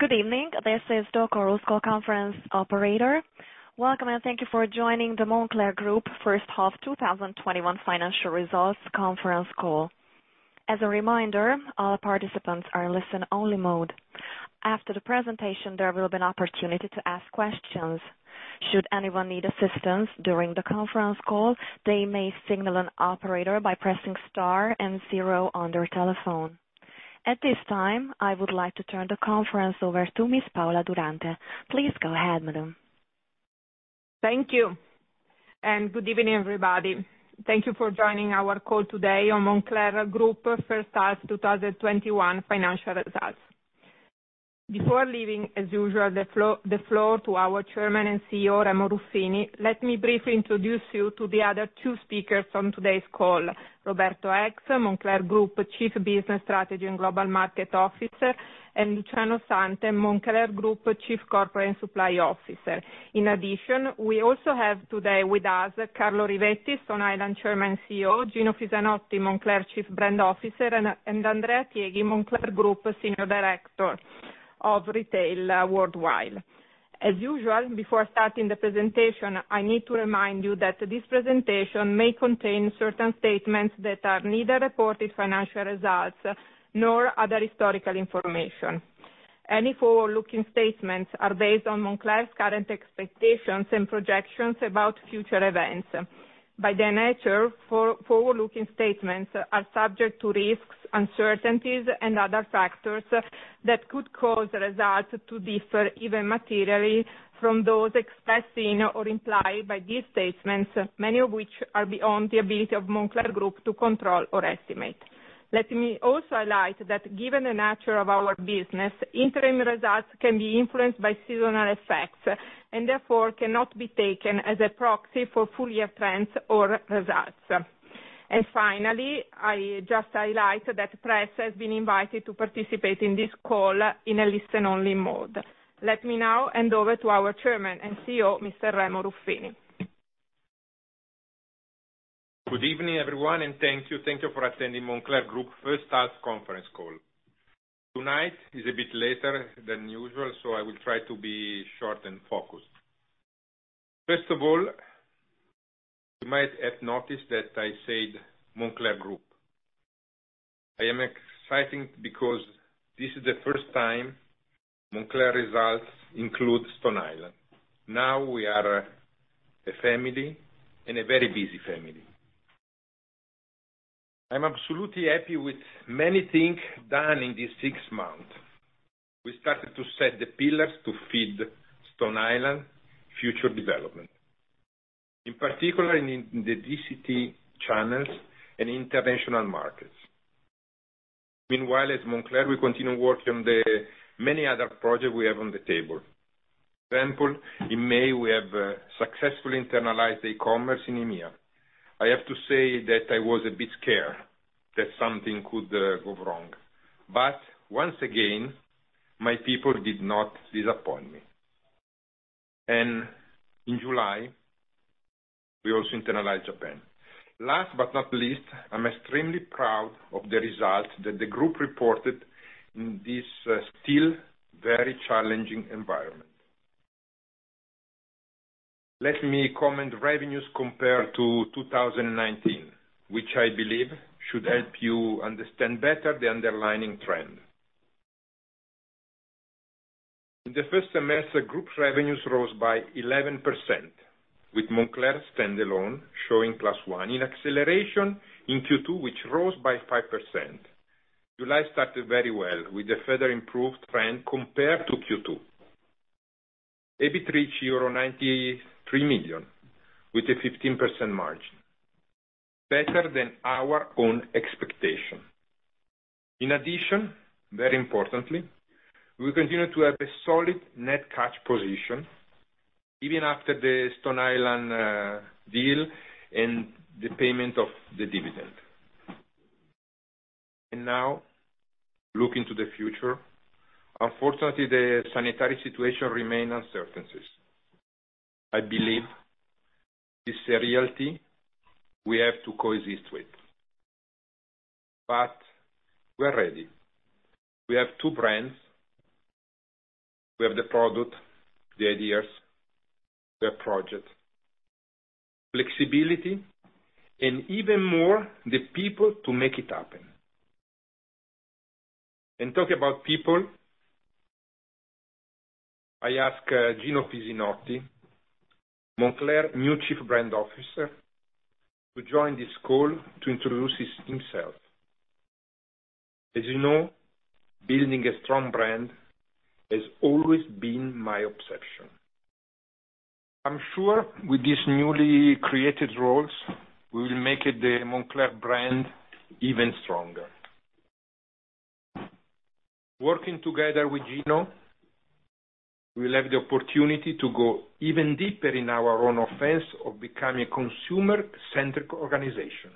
Good evening. This is the Chorus Call conference operator. Welcome, and thank you for joining the Moncler Group first half 2021 financial results conference call. As a reminder, all participants are in listen-only mode. After the presentation, there will be an opportunity to ask questions. Should anyone need assistance during the conference call, they may signal an operator by pressing star and zero on their telephone. At this time, I would like to turn the conference over to Ms. Paola Durante. Please go ahead, madam. Thank you, and good evening, everybody. Thank you for joining our call today on Moncler Group first half 2021 financial results. Before leaving, as usual, the floor to our Chairman and CEO, Remo Ruffini, let me briefly introduce you to the other two speakers on today's call, Roberto Eggs, Moncler Group Chief Business Strategy and Global Market Officer, and Luciano Santel, Moncler Group Chief Corporate and Supply Officer. In addition, we also have today with us Carlo Rivetti, Stone Island Chairman CEO, Gino Fisanotti, Moncler Chief Brand Officer, and Andrea Tieghi, Moncler Group Senior Director of Retail Worldwide. As usual, before starting the presentation, I need to remind you that this presentation may contain certain statements that are neither reported financial results nor other historical information. Any forward-looking statements are based on Moncler's current expectations and projections about future events. By their nature, forward-looking statements are subject to risks, uncertainties, and other factors that could cause the results to differ, even materially, from those expressed in or implied by these statements, many of which are beyond the ability of Moncler Group to control or estimate. Let me also highlight that given the nature of our business, interim results can be influenced by seasonal effects, and therefore, cannot be taken as a proxy for full-year trends or results. Finally, I just highlight that press has been invited to participate in this call in a listen-only mode. Let me now hand over to our Chairman and CEO, Mr. Remo Ruffini. Good evening, everyone, and thank you. Thank you for attending Moncler Group first half conference call. Tonight is a bit later than usual, so I will try to be short and focused. First of all, you might have noticed that I said Moncler Group. I am excited because this is the first time Moncler results include Stone Island. Now we are a family, and a very busy family. I'm absolutely happy with many things done in these six months. We started to set the pillars to feed Stone Island future development, in particular, in the DTC channels and international markets. Meanwhile, as Moncler, we continue working on the many other projects we have on the table. For example, in May, we have successfully internalized e-commerce in EMEA. I have to say that I was a bit scared that something could go wrong. Once again, my people did not disappoint me. In July, we also internalized Japan. Last but not least, I'm extremely proud of the results that the Group reported in this still very challenging environment. Let me comment revenues compared to 2019, which I believe should help you understand better the underlying trend. In the first semester, Group revenues rose by 11%, with Moncler standalone showing +1% in acceleration in Q2, which rose by 5%. July started very well with a further improved trend compared to Q2. EBIT reach 93 million, with a 15% margin, better than our own expectation. In addition, very importantly, we continue to have a solid net cash position, even after the Stone Island deal and the payment of the dividend. Now, look into the future. Unfortunately, the sanitary situation remain uncertain. I believe it's a reality we have to coexist with, but we're ready. We have two brands. We have the product, the ideas, the project, flexibility, and even more, the people to make it happen. Talk about people, I ask Gino Fisanotti, Moncler new Chief Brand Officer, to join this call to introduce himself. As you know, building a strong brand has always been my obsession. I'm sure with these newly created roles, we will make the Moncler brand even stronger. Working together with Gino, we'll have the opportunity to go even deeper in our own offense of becoming a consumer-centric organization.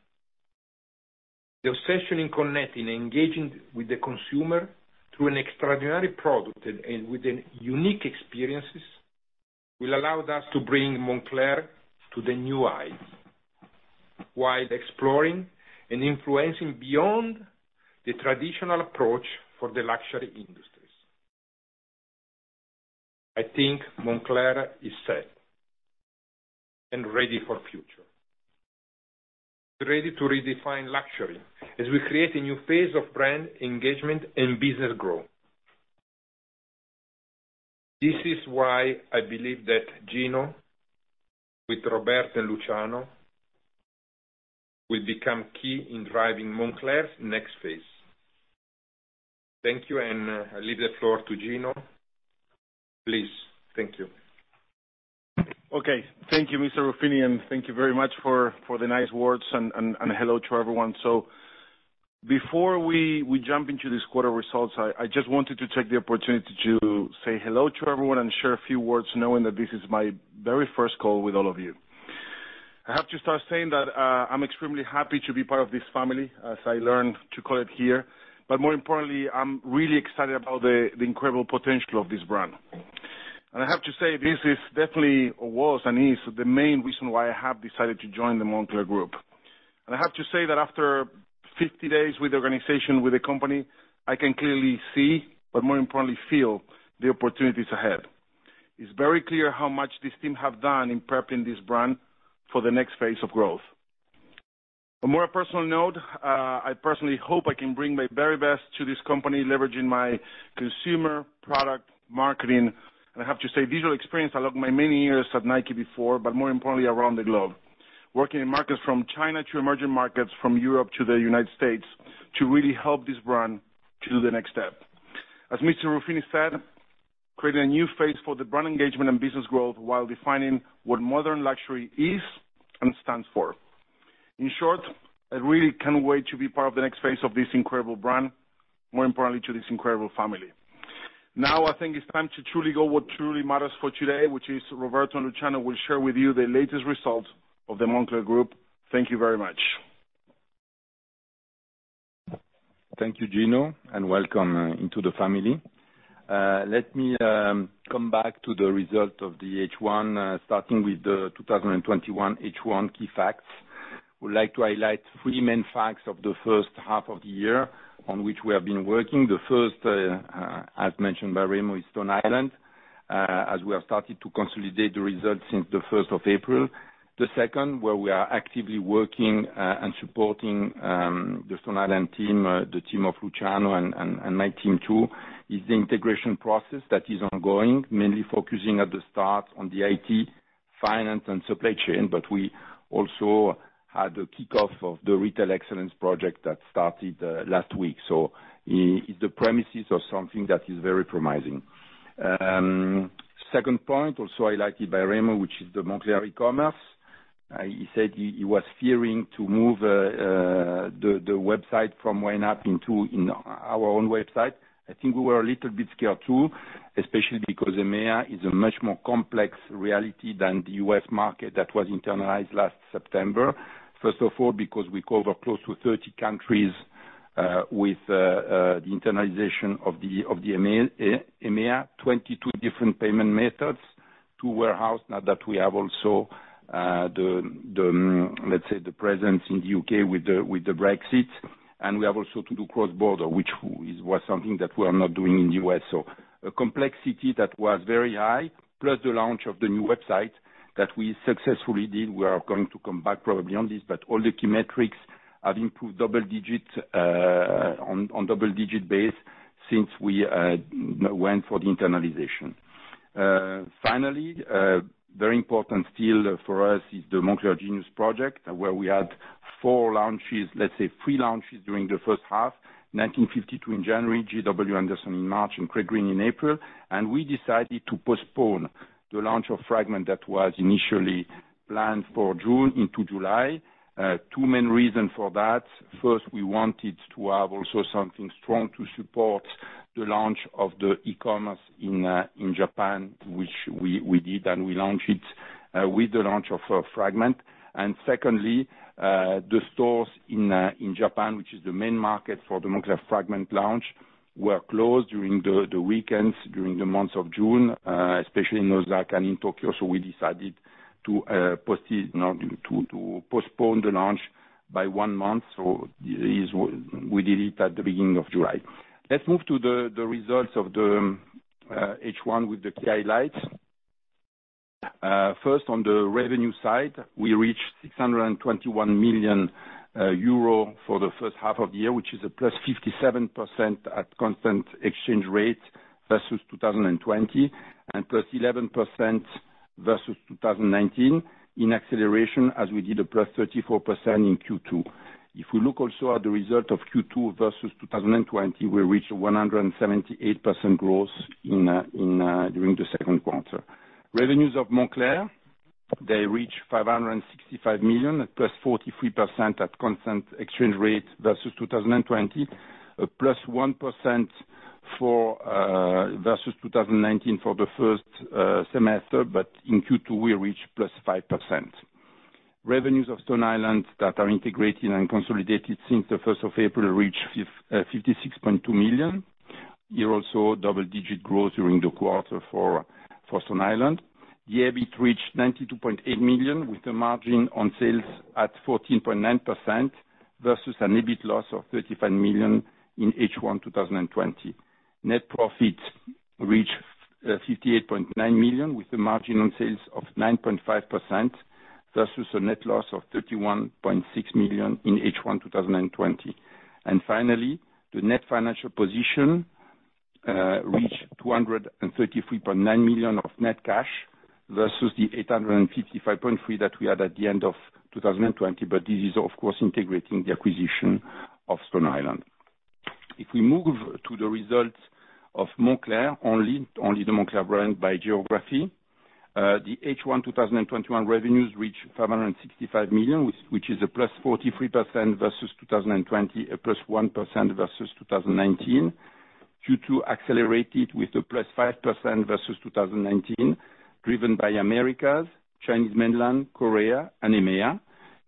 The obsession in connecting and engaging with the consumer through an extraordinary product and with unique experiences will allow us to bring Moncler to the new eyes while exploring and influencing beyond the traditional approach for the luxury industries. I think Moncler is set and ready for future. Ready to redefine luxury as we create a new phase of brand engagement and business growth. This is why I believe that Gino, with Roberto and Luciano, will become key in driving Moncler's next phase. Thank you, and I leave the floor to Gino. Please. Thank you. Okay. Thank you, Mr. Ruffini, and thank you very much for the nice words, and hello to everyone. Before we jump into this quarter results, I just wanted to take the opportunity to say hello to everyone and share a few words, knowing that this is my very first call with all of you. I have to start saying that I'm extremely happy to be part of this family, as I learned to call it here, but more importantly, I'm really excited about the incredible potential of this brand. I have to say, this is definitely, or was and is, the main reason why I have decided to join the Moncler Group. I have to say that after 50 days with the organization, with the company, I can clearly see, but more importantly, feel the opportunities ahead. It's very clear how much this team have done in prepping this brand for the next phase of growth. On a more personal note, I personally hope I can bring my very best to this company, leveraging my consumer product marketing. I have to say, digital experience along my many years at Nike before, but more importantly, around the globe, working in markets from China to emerging markets from Europe to the United States to really help this brand to do the next step. As Mr. Ruffini said, creating a new phase for the brand engagement and business growth while defining what modern luxury is and stands for. In short, I really can't wait to be part of the next phase of this incredible brand, more importantly to this incredible family. Now I think it's time to truly go what truly matters for today, which is Roberto and Luciano will share with you the latest results of the Moncler Group. Thank you very much. Thank you, Gino, and welcome into the family. Let me come back to the result of the H1, starting with the 2021 H1 key facts. Would like to highlight three main facts of the first half of the year on which we have been working. The first, as mentioned by Remo, is Stone Island, as we have started to consolidate the results since the 1st of April. The second, where we are actively working and supporting the Stone Island team, the team of Luciano and my team too, is the integration process that is ongoing, mainly focusing at the start on the IT, finance, and supply chain, but we also had a kickoff of the Retail Excellence project that started last week. It's the premises of something that is very promising. Second point, also highlighted by Remo, which is the Moncler e-commerce. He said he was fearing to move the website from YNAP into our own website. I think we were a little bit scared, too, especially because EMEA is a much more complex reality than the U.S. market that was internalized last September. First of all, because we cover close to 30 countries, with the internalization of the EMEA, 22 different payment methods, two warehouse. Now that we have also, let's say, the presence in the U.K. with the Brexit. We have also to do cross-border, which was something that we are not doing in the U.S. A complexity that was very high, plus the launch of the new website that we successfully did. We are going to come back probably on this, but all the key metrics have improved on double-digit base since we went for the internalization. Finally, very important still for us is the Moncler Genius project, where we had four launches, let's say three launches during the first half, 1952 in January, JW Anderson in March, and Craig Green in April. We decided to postpone the launch of Fragment that was initially planned for June into July. Two main reasons for that. First, we wanted to have also something strong to support the launch of the e-commerce in Japan, which we did, and we launched it with the launch of Fragment. Secondly, the stores in Japan, which is the main market for the Moncler Fragment launch, were closed during the weekends, during the month of June, especially in Osaka and in Tokyo. We decided to postpone the launch by one month. We did it at the beginning of July. Let's move to the results of the H1 with the key highlights. First, on the revenue side, we reached 621 million euro for the first half of the year, which is a +57% at constant exchange rate versus 2020 and +11% versus 2019 in acceleration, as we did a +34% in Q2. If we look also at the result of Q2 versus 2020, we reached 178% growth during the second quarter. Revenues of Moncler reached 565 million at +43% at constant exchange rate versus 2020, +1% versus 2019 for the first semester, but in Q2, we reached +5%. Revenues of Stone Island that are integrated and consolidated since the 1st of April reached 56.2 million. Double-digit growth during the quarter for Stone Island. The EBIT reached 92.8 million, with a margin on sales at 14.9%, versus an EBIT loss of 35 million in H1 2020. Net profit reached 58.9 million, with a margin on sales of 9.5%, versus a net loss of 31.6 million in H1 2020. Finally, the net financial position reached 233.9 million of net cash versus the 855.3 million that we had at the end of 2020, but this is, of course, integrating the acquisition of Stone Island. If we move to the results of Moncler, only the Moncler brand by geography, the H1 2021 revenues reached 565 million, which is a +43% versus 2020, a +1% versus 2019, Q2 accelerated with a +5% versus 2019, driven by Americas, Chinese mainland, Korea, and EMEA.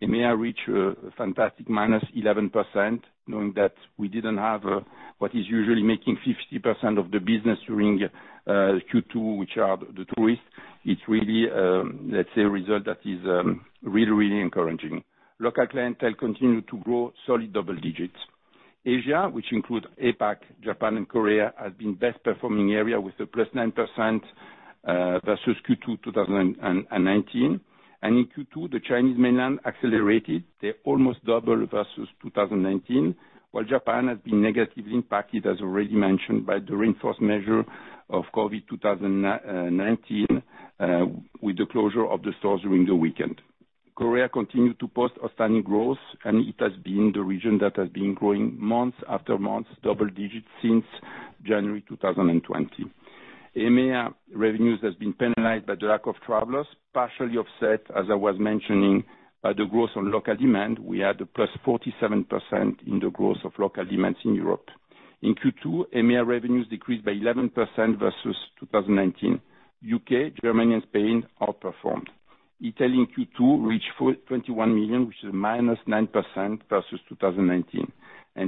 EMEA reached a fantastic -11%, knowing that we didn't have what is usually making 50% of the business during Q2, which are the tourists. It's really a result that is really, really encouraging. Local clientele continue to grow solid double digits. Asia, which includes APAC, Japan, and Korea, has been best-performing area with a +9% versus Q2 2019. In Q2, the Chinese mainland accelerated. They almost doubled versus 2019, while Japan has been negatively impacted, as already mentioned, by the reinforced measure of COVID-19, with the closure of the stores during the weekend. Korea continued to post outstanding growth, and it has been the region that has been growing month after month, double digits since January 2020. EMEA revenues have been penalized by the lack of travelers, partially offset, as I was mentioning, by the growth on local demand. We had a +47% in the growth of local demand in Europe. In Q2, EMEA revenues decreased by 11% versus 2019. U.K., Germany, and Spain outperformed. Italy in Q2 reached 21 million, which is a -9% versus 2019.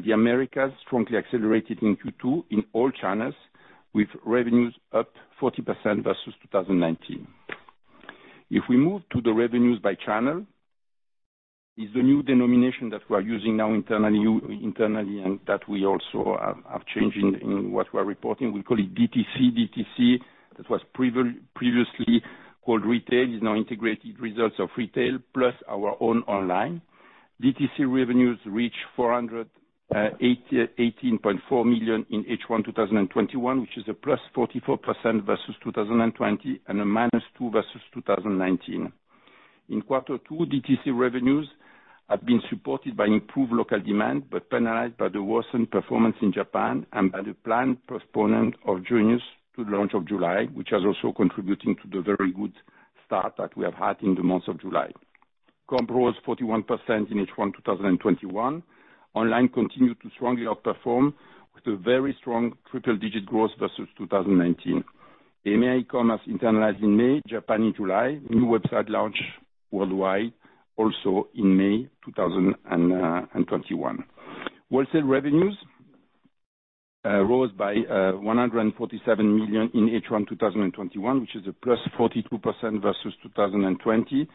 The Americas strongly accelerated in Q2 in all channels, with revenues up 40% versus 2019. If we move to the revenues by channel, is the new denomination that we are using now internally, and that we also have changed in what we're reporting. We call it DTC. DTC, that was previously called retail, is now integrated results of retail plus our own online. DTC revenues reached 418.4 million in H1 2021, which is a +44% versus 2020, and a -2% versus 2019. In quarter two, DTC revenues have been supported by improved local demand, but penalized by the worsened performance in Japan and by the planned postponement of Genius to launch of July, which has also contributing to the very good start that we have had in the month of July. Comp rose 41% in H1 2021. Online continued to strongly outperform with a very strong triple-digit growth versus 2019. EMEA e-commerce internalized in May, Japan in July. New website launch worldwide also in May 2021. Wholesale revenues rose by 147 million in H1 2021, which is a +42% versus 2020,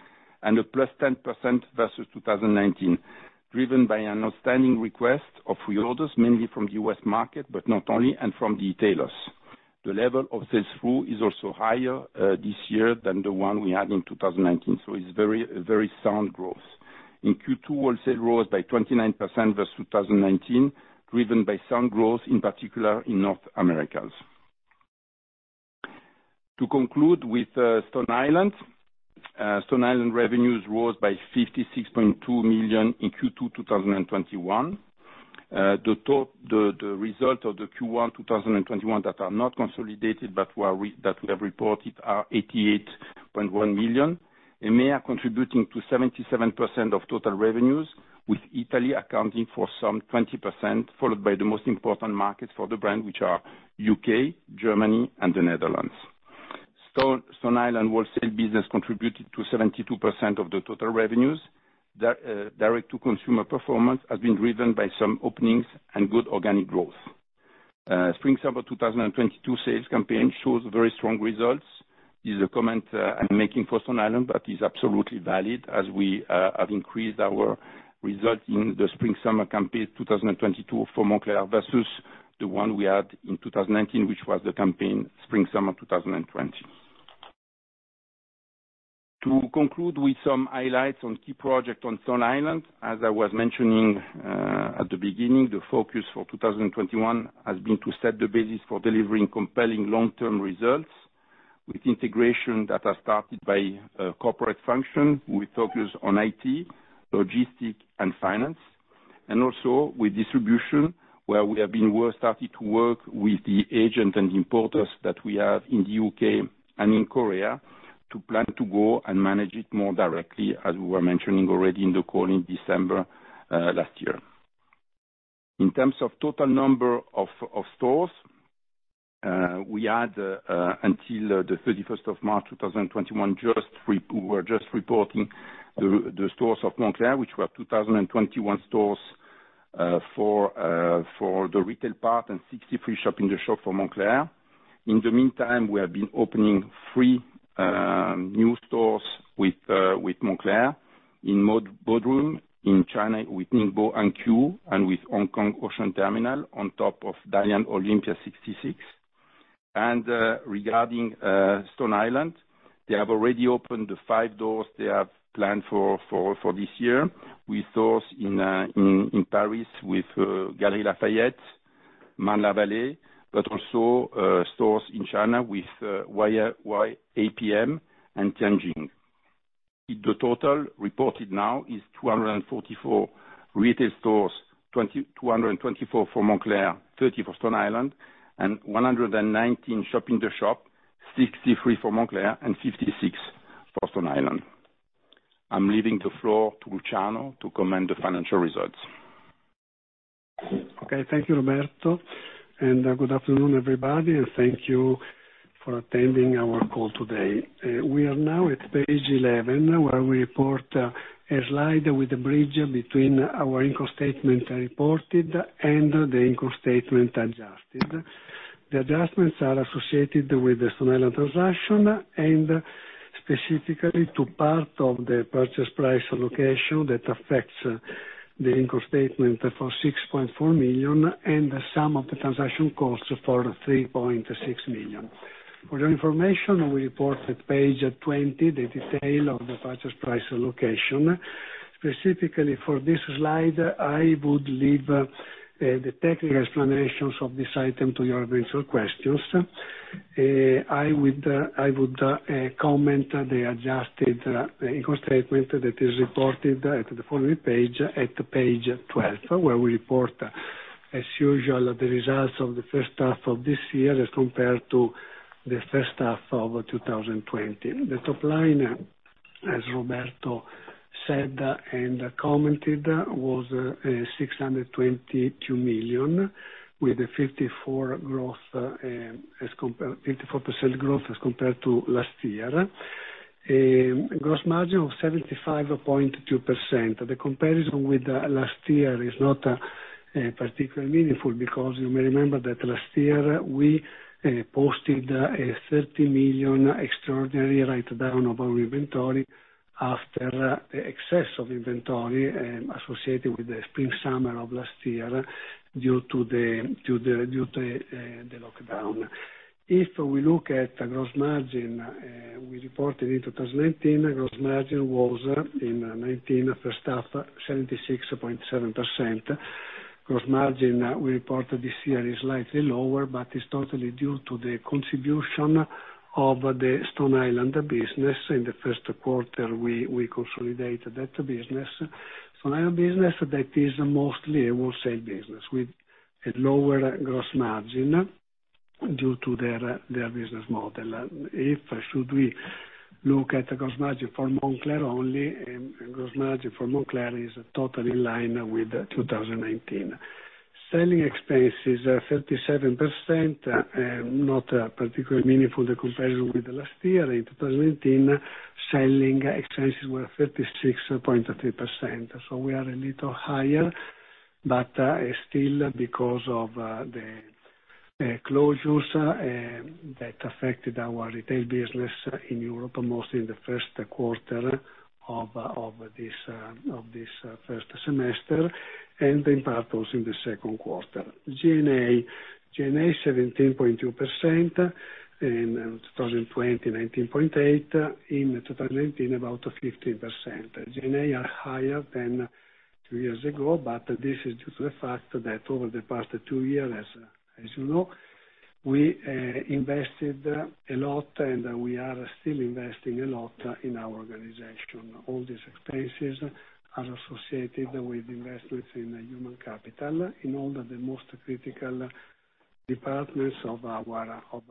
and a +10% versus 2019, driven by an outstanding request of reorders, mainly from the U.S. market, but not only, and from the retailers. The level of sales through is also higher this year than the one we had in 2019. It's very sound growth. In Q2, wholesale rose by 29% versus 2019, driven by sound growth, in particular in North Americas. To conclude with Stone Island, Stone Island revenues rose by 56.2 million in Q2 2021. The result of the Q1 2021 that are not consolidated but that we have reported are 88.1 million. EMEA contributing to 77% of total revenues, with Italy accounting for some 20%, followed by the most important markets for the brand, which are U.K., Germany, and the Netherlands. Stone Island wholesale business contributed to 72% of the total revenues. Direct-to-consumer performance has been driven by some openings and good organic growth. Spring/summer 2022 sales campaign shows very strong results, is a comment I'm making for Stone Island, but is absolutely valid as we have increased our result in the spring/summer campaign 2022 for Moncler versus the one we had in 2019, which was the campaign spring/summer 2020. To conclude with some highlights on key project on Stone Island, as I was mentioning at the beginning, the focus for 2021 has been to set the basis for delivering compelling long-term results with integration that has started by corporate function, with focus on IT, logistic, and finance, and also with distribution, where we have been well started to work with the agent and importers that we have in the U.K. and in Korea to plan to go and manage it more directly, as we were mentioning already in the call in December last year. In terms of total number of stores. We had until the 31st of March 2021, we were just reporting the stores of Moncler, which were 221 stores for the retail part and 63 shop-in-the-shop for Moncler. In the meantime, we have been opening three new stores with Moncler in Bodrum, in China with Ningbo Hankyu, with Hong Kong Ocean Terminal on top of Dalian Olympia 66. Regarding Stone Island, they have already opened the five doors they have planned for this year with stores in Paris with Galeries Lafayette, Le Marais, but also stores in China with iAPM and Tianjin. The total reported now is 254 retail stores, 224 for Moncler, 30 for Stone Island, and 119 shop-in-the-shop, 63 for Moncler and 56 for Stone Island. I'm leaving the floor to Luciano to comment the financial results. Okay. Thank you, Roberto, good afternoon, everybody, and thank you for attending our call today. We are now at page 11, where we report a slide with the bridge between our income statement reported and the income statement adjusted. The adjustments are associated with the Stone Island transaction, and specifically to part of the purchase price allocation that affects the income statement for 6.4 million and some of the transaction costs for 3.6 million. For your information, we report at page 20 the detail of the purchase price allocation. Specifically for this slide, I would leave the technical explanations of this item to your virtual questions. I would comment the adjusted income statement that is reported at the following page, at page 12, where we report as usual the results of the H1 of this year as compared to the H1 2020. The top line, as Roberto said and commented, was 622 million, with a 54% growth as compared to last year. Gross margin of 75.2%. The comparison with last year is not particularly meaningful because you may remember that last year we posted a 30 million extraordinary write-down of our inventory after the excess of inventory associated with the spring/summer of last year due to the lockdown. If we look at gross margin we reported in 2019, gross margin was, in 2019 first half, 76.7%. Gross margin we reported this year is slightly lower, but it's totally due to the contribution of the Stone Island business. In the first quarter, we consolidated that business. Stone Island business that is mostly a wholesale business with a lower gross margin due to their business model. If should we look at the gross margin for Moncler only, gross margin for Moncler is totally in line with 2019. Selling expenses are 37%, not particularly meaningful the comparison with last year. In 2019, selling expenses were 36.3%, so we are a little higher, but still because of the closures that affected our retail business in Europe, mostly in the first quarter of this first semester, and in part also in the second quarter. G&A 17.2%, in 2020, 19.8%, in 2019, about 15%. G&A are higher than two years ago, but this is due to the fact that over the past two years, as you know, we invested a lot and we are still investing a lot in our organization. All these expenses are associated with investments in human capital in all the most critical departments of our digital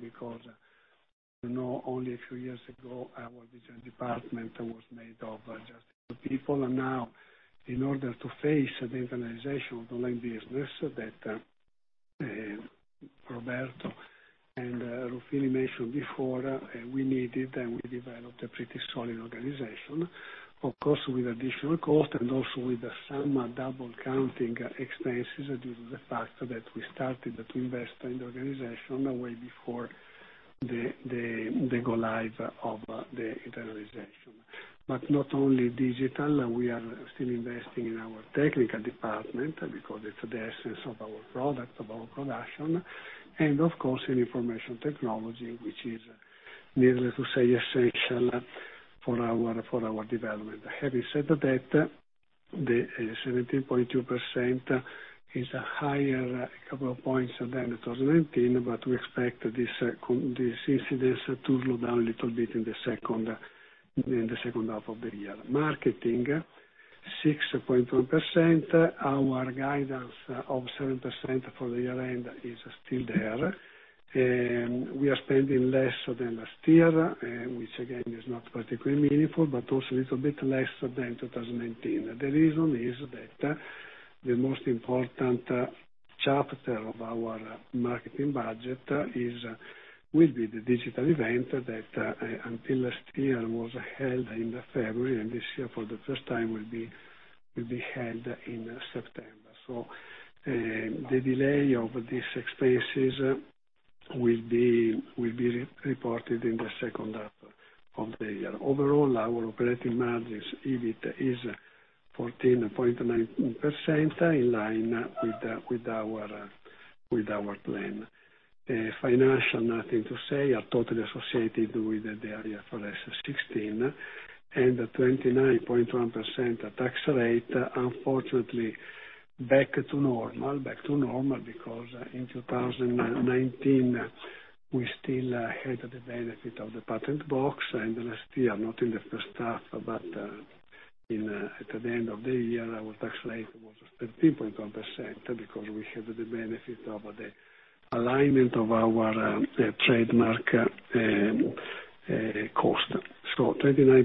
because only a few years ago, our digital department was made of just a few people. Now in order to face the internationalization of the line of business that Roberto and Ruffini mentioned before, we needed and we developed a pretty solid organization, of course, with additional cost and also with some double counting expenses, due to the fact that we started to invest in the organization way before the go-live of the internationalization. Not only digital, we are still investing in our technical department because it's the essence of our product, of our production, and of course, in information technology, which is needless to say, essential for our development. Having said that, the 17.2% is higher couple of points than 2019, but we expect this incidence to go down a little bit in the second half of the year. Marketing, 6.1%. Our guidance of 7% for the year-end is still there. We are spending less than last year, which again, is not particularly meaningful, but also a little bit less than 2019. The reason is that the most important chapter of our marketing budget will be the digital event that, until last year, was held in February, and this year, for the first time, will be held in September. The delay of these expenses will be reported in the second half of the year. Overall, our operating margins, EBIT, is 14.9%, in line with our plan. Financial, nothing to say, are totally associated with the area for IFRS 16, and 29.1% tax rate, unfortunately back to normal. Back to normal because in 2019, we still had the benefit of the patent box, and last year, not in the first half, but at the end of the year, our tax rate was 13.1% because we had the benefit of the alignment of our trademark cost. 29%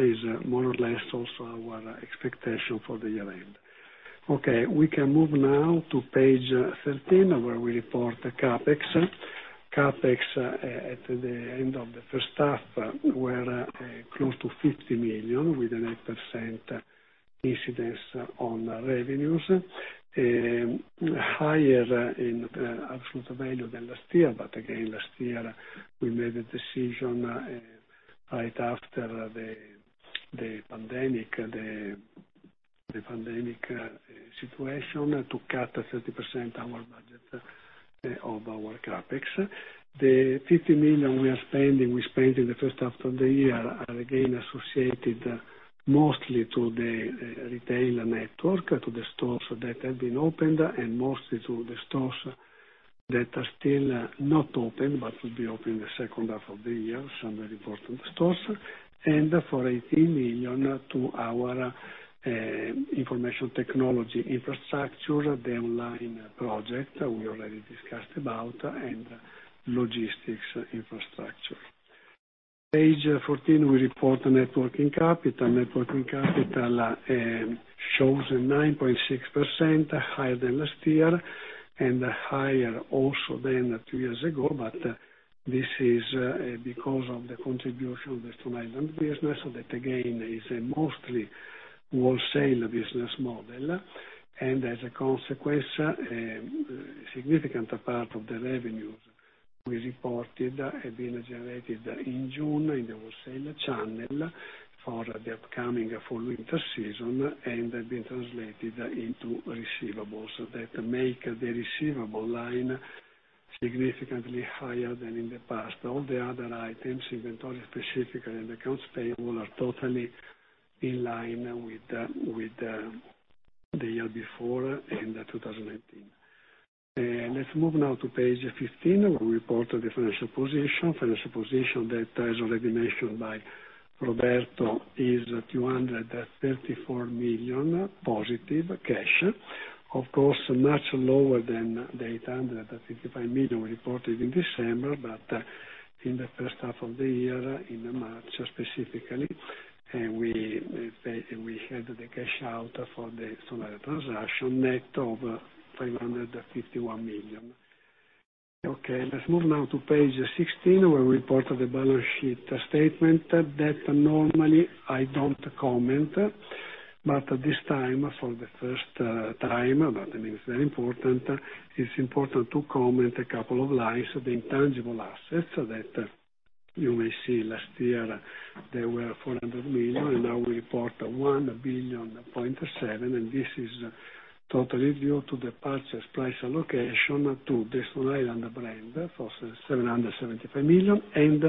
is more or less also our expectation for the year end. Okay. We can move now to page 13 where we report the CapEx. CapEx at the end of the first half were close to 50 million, with an 8% incidence on revenues. Higher in absolute value than last year, but again, last year, we made the decision right after the pandemic situation to cut 30% our budget of our CapEx. The 50 million we are spending, we spent in the first half of the year, are again associated mostly to the retail network, to the stores that have been opened, and mostly to the stores that are still not open but will be open in the second half of the year, some very important stores. For 18 million, to our information technology infrastructure, the online project we already discussed about, and logistics infrastructure. Page 14, we report the networking capital. Networking capital shows a 9.6% higher than last year and higher also than two years ago, but this is because of the contribution of the Stone Island business. That again, is a mostly wholesale business model, and as a consequence, a significant part of the revenues we reported had been generated in June in the wholesale channel for the upcoming fall/winter season and have been translated into receivables that make the receivable line significantly higher than in the past. All the other items, inventory specifically and accounts payable, are totally in line with the year before in 2019. Let's move now to page 15. We report the financial position. Financial position that, as already mentioned by Roberto, is 234 million positive cash. Of course, much lower than the 855 million we reported in December, but in the first half of the year, in March specifically, we had the cash out for the Stone Island transaction net of 551 million. Okay. Let's move now to page 16 where we report the balance sheet statement that normally I don't comment, but this time, for the first time, but it is very important, it's important to comment a couple of lines of the intangible assets that you will see last year they were 400 million and now we report 1.7 billion, and this is totally due to the purchase price allocation to the Stone Island brand for 775 million and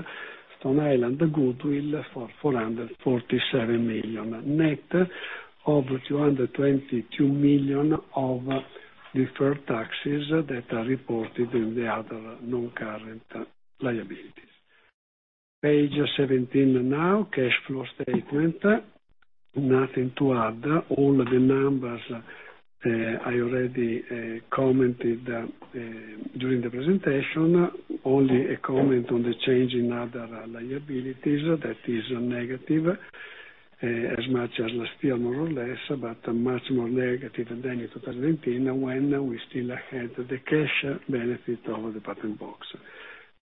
Stone Island goodwill for 447 million, net of 222 million of deferred taxes that are reported in the other non-current liabilities. Page 17 now, cash flow statement. Nothing to add. All the numbers, I already commented during the presentation. Only a comment on the change in other liabilities that is negative as much as last year, more or less, but much more negative than in 2019 when we still had the cash benefit of the patent box.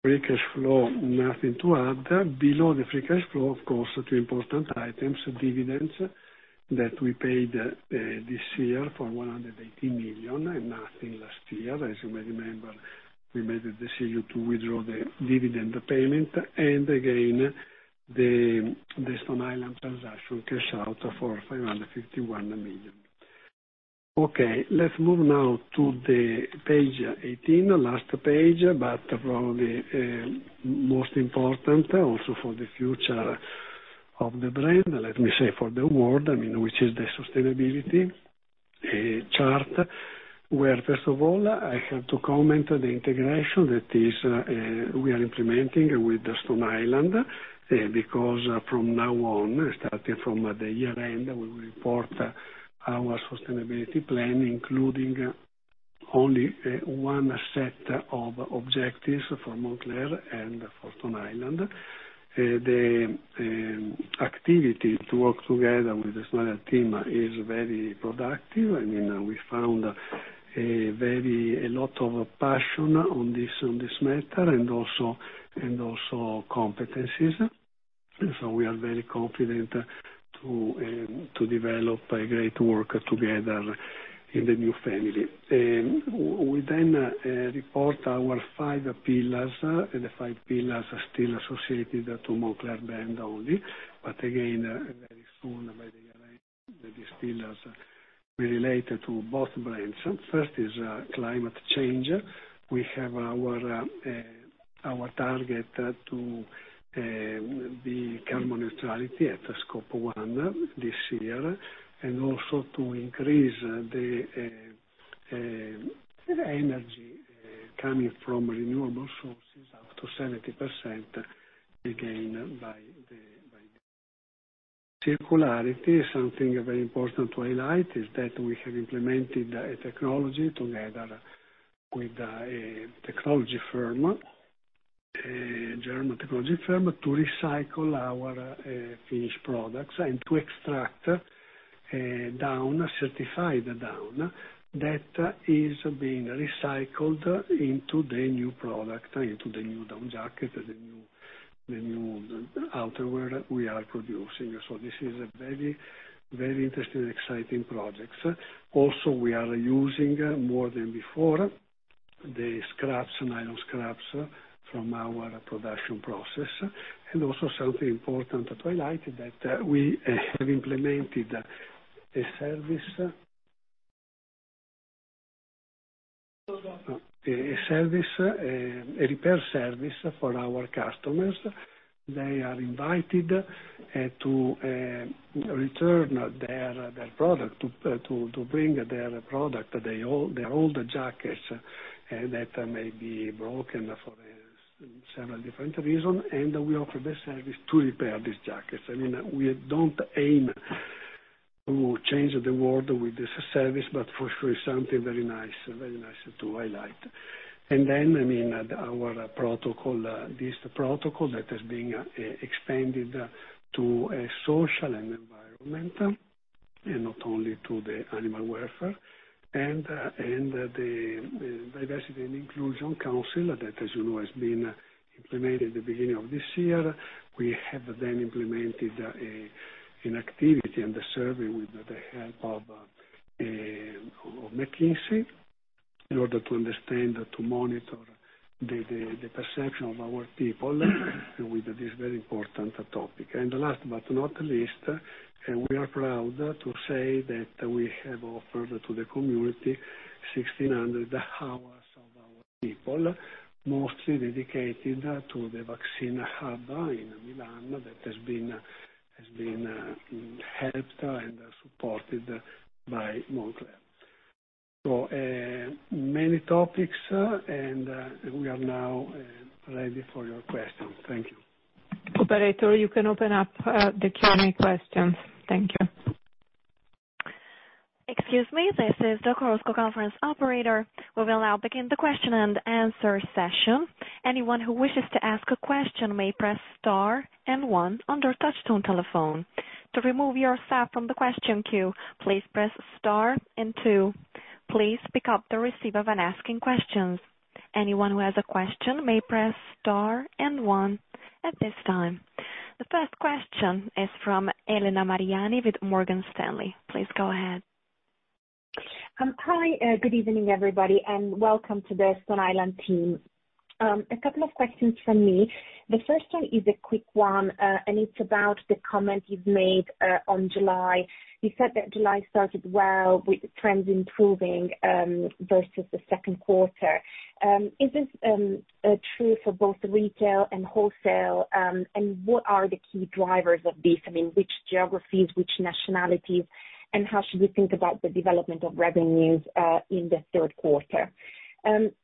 Free cash flow, nothing to add. Below the free cash flow, of course, two important items, dividends that we paid this year for 180 million and nothing last year. As you may remember, we made the decision to withdraw the dividend payment and again, the Stone Island transaction cash out for 551 million. Okay. Let's move now to the page 18, last page, but probably, most important also for the future of the brand, let me say for the world, which is the sustainability chart, where first of all, I have to comment on the integration that we are implementing with the Stone Island, because from now on, starting from the year end, we will report our sustainability plan, including only one set of objectives for Moncler and for Stone Island. The activity to work together with the Stone Island team is very productive. We found a lot of passion on this matter and also competencies. We are very confident to develop a great work together in the new family. We then report our five pillars. The five pillars are still associated to Moncler brand only. Again, very soon by the year end these pillars will relate to both brands. First is climate change. We have our target to be carbon neutrality at Scope 1 this year, and also to increase the energy coming from renewable sources up to 70%. Again by the circularity, something very important to highlight is that we have implemented a technology together with a German technology firm to recycle our finished products and to extract certified down that is being recycled into the new product, into the new down jacket and the new outerwear we are producing. This is a very interesting and exciting project. Also, we are using more than before the nylon scraps from our production process. Also something important to highlight that we have implemented a repair service for our customers. They are invited to return their product, to bring their product, their older jackets that may be broken for several different reasons, and we offer this service to repair these jackets. We don't aim to change the world with this service, but for sure, it's something very nice to highlight. Our protocol, this protocol that is being expanded to social and environmental, and not only to the animal welfare. The diversity and inclusion council that, as you know, has been implemented the beginning of this year. We have then implemented an activity and a survey with the help of McKinsey in order to understand, to monitor the perception of our people with this very important topic. Last but not least, we are proud to say that we have offered to the community 1,600 hours of our people, mostly dedicated to the vaccine hub in Milan that has been helped and supported by Moncler. Many topics. We are now ready for your questions. Thank you. Operator, you can open up the Q&A questions. Thank you. Excuse me. This is the Chorus Call conference operator. We will now begin the question-and-answer session. Anyone who wishes to ask a question, may press star and one on their touch-tone telephone. To remove yourself from the question queue, please press star and two. Please pick up the receiver when asking questions. Anyone who has a question, may press star and one at this time. The first question is from Elena Mariani with Morgan Stanley. Please go ahead. Hi, good evening, everybody, and welcome to the Stone Island team. A couple of questions from me. The first one is a quick one, and it's about the comment you've made on July. You said that July started well with trends improving, versus the second quarter. Is this true for both retail and wholesale? What are the key drivers of this? I mean, which geographies, which nationalities, and how should we think about the development of revenues, in the third quarter?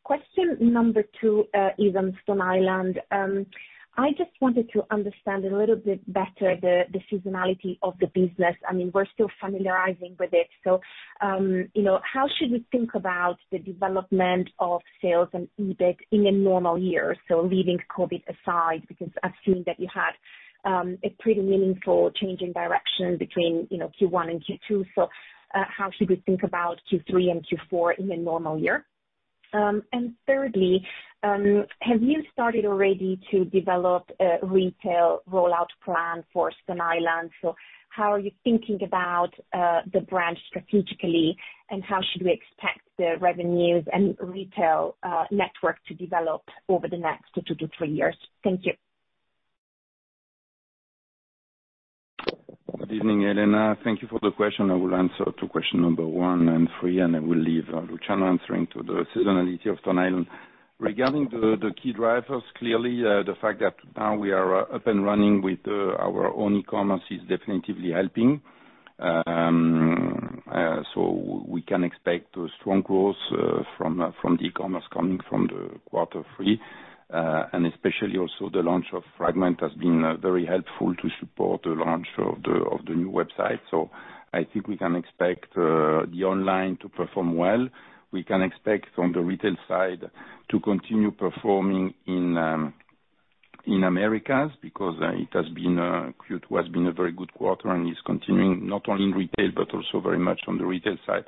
Question number two is on Stone Island. I just wanted to understand a little bit better the seasonality of the business. We're still familiarizing with it. How should we think about the development of sales and EBIT in a normal year? Leaving COVID aside, because I've seen that you had a pretty meaningful change in direction between Q1 and Q2. How should we think about Q3 and Q4 in a normal year? Thirdly, have you started already to develop a retail rollout plan for Stone Island? How are you thinking about the brand strategically, and how should we expect the revenues and retail network to develop over the next two to three years? Thank you. Good evening, Elena. Thank you for the question. I will answer to question number one and three, and I will leave Luciano answering to the seasonality of Stone Island. Regarding the key drivers, clearly, the fact that now we are up and running with our own e-commerce is definitely helping. We can expect a strong growth from the e-commerce coming from the quarter three. Especially also the launch of Fragment has been very helpful to support the launch of the new website. I think we can expect the online to perform well. We can expect from the retail side to continue performing in Americas, because Q2 has been a very good quarter and is continuing, not only in retail, but also very much on the retail side,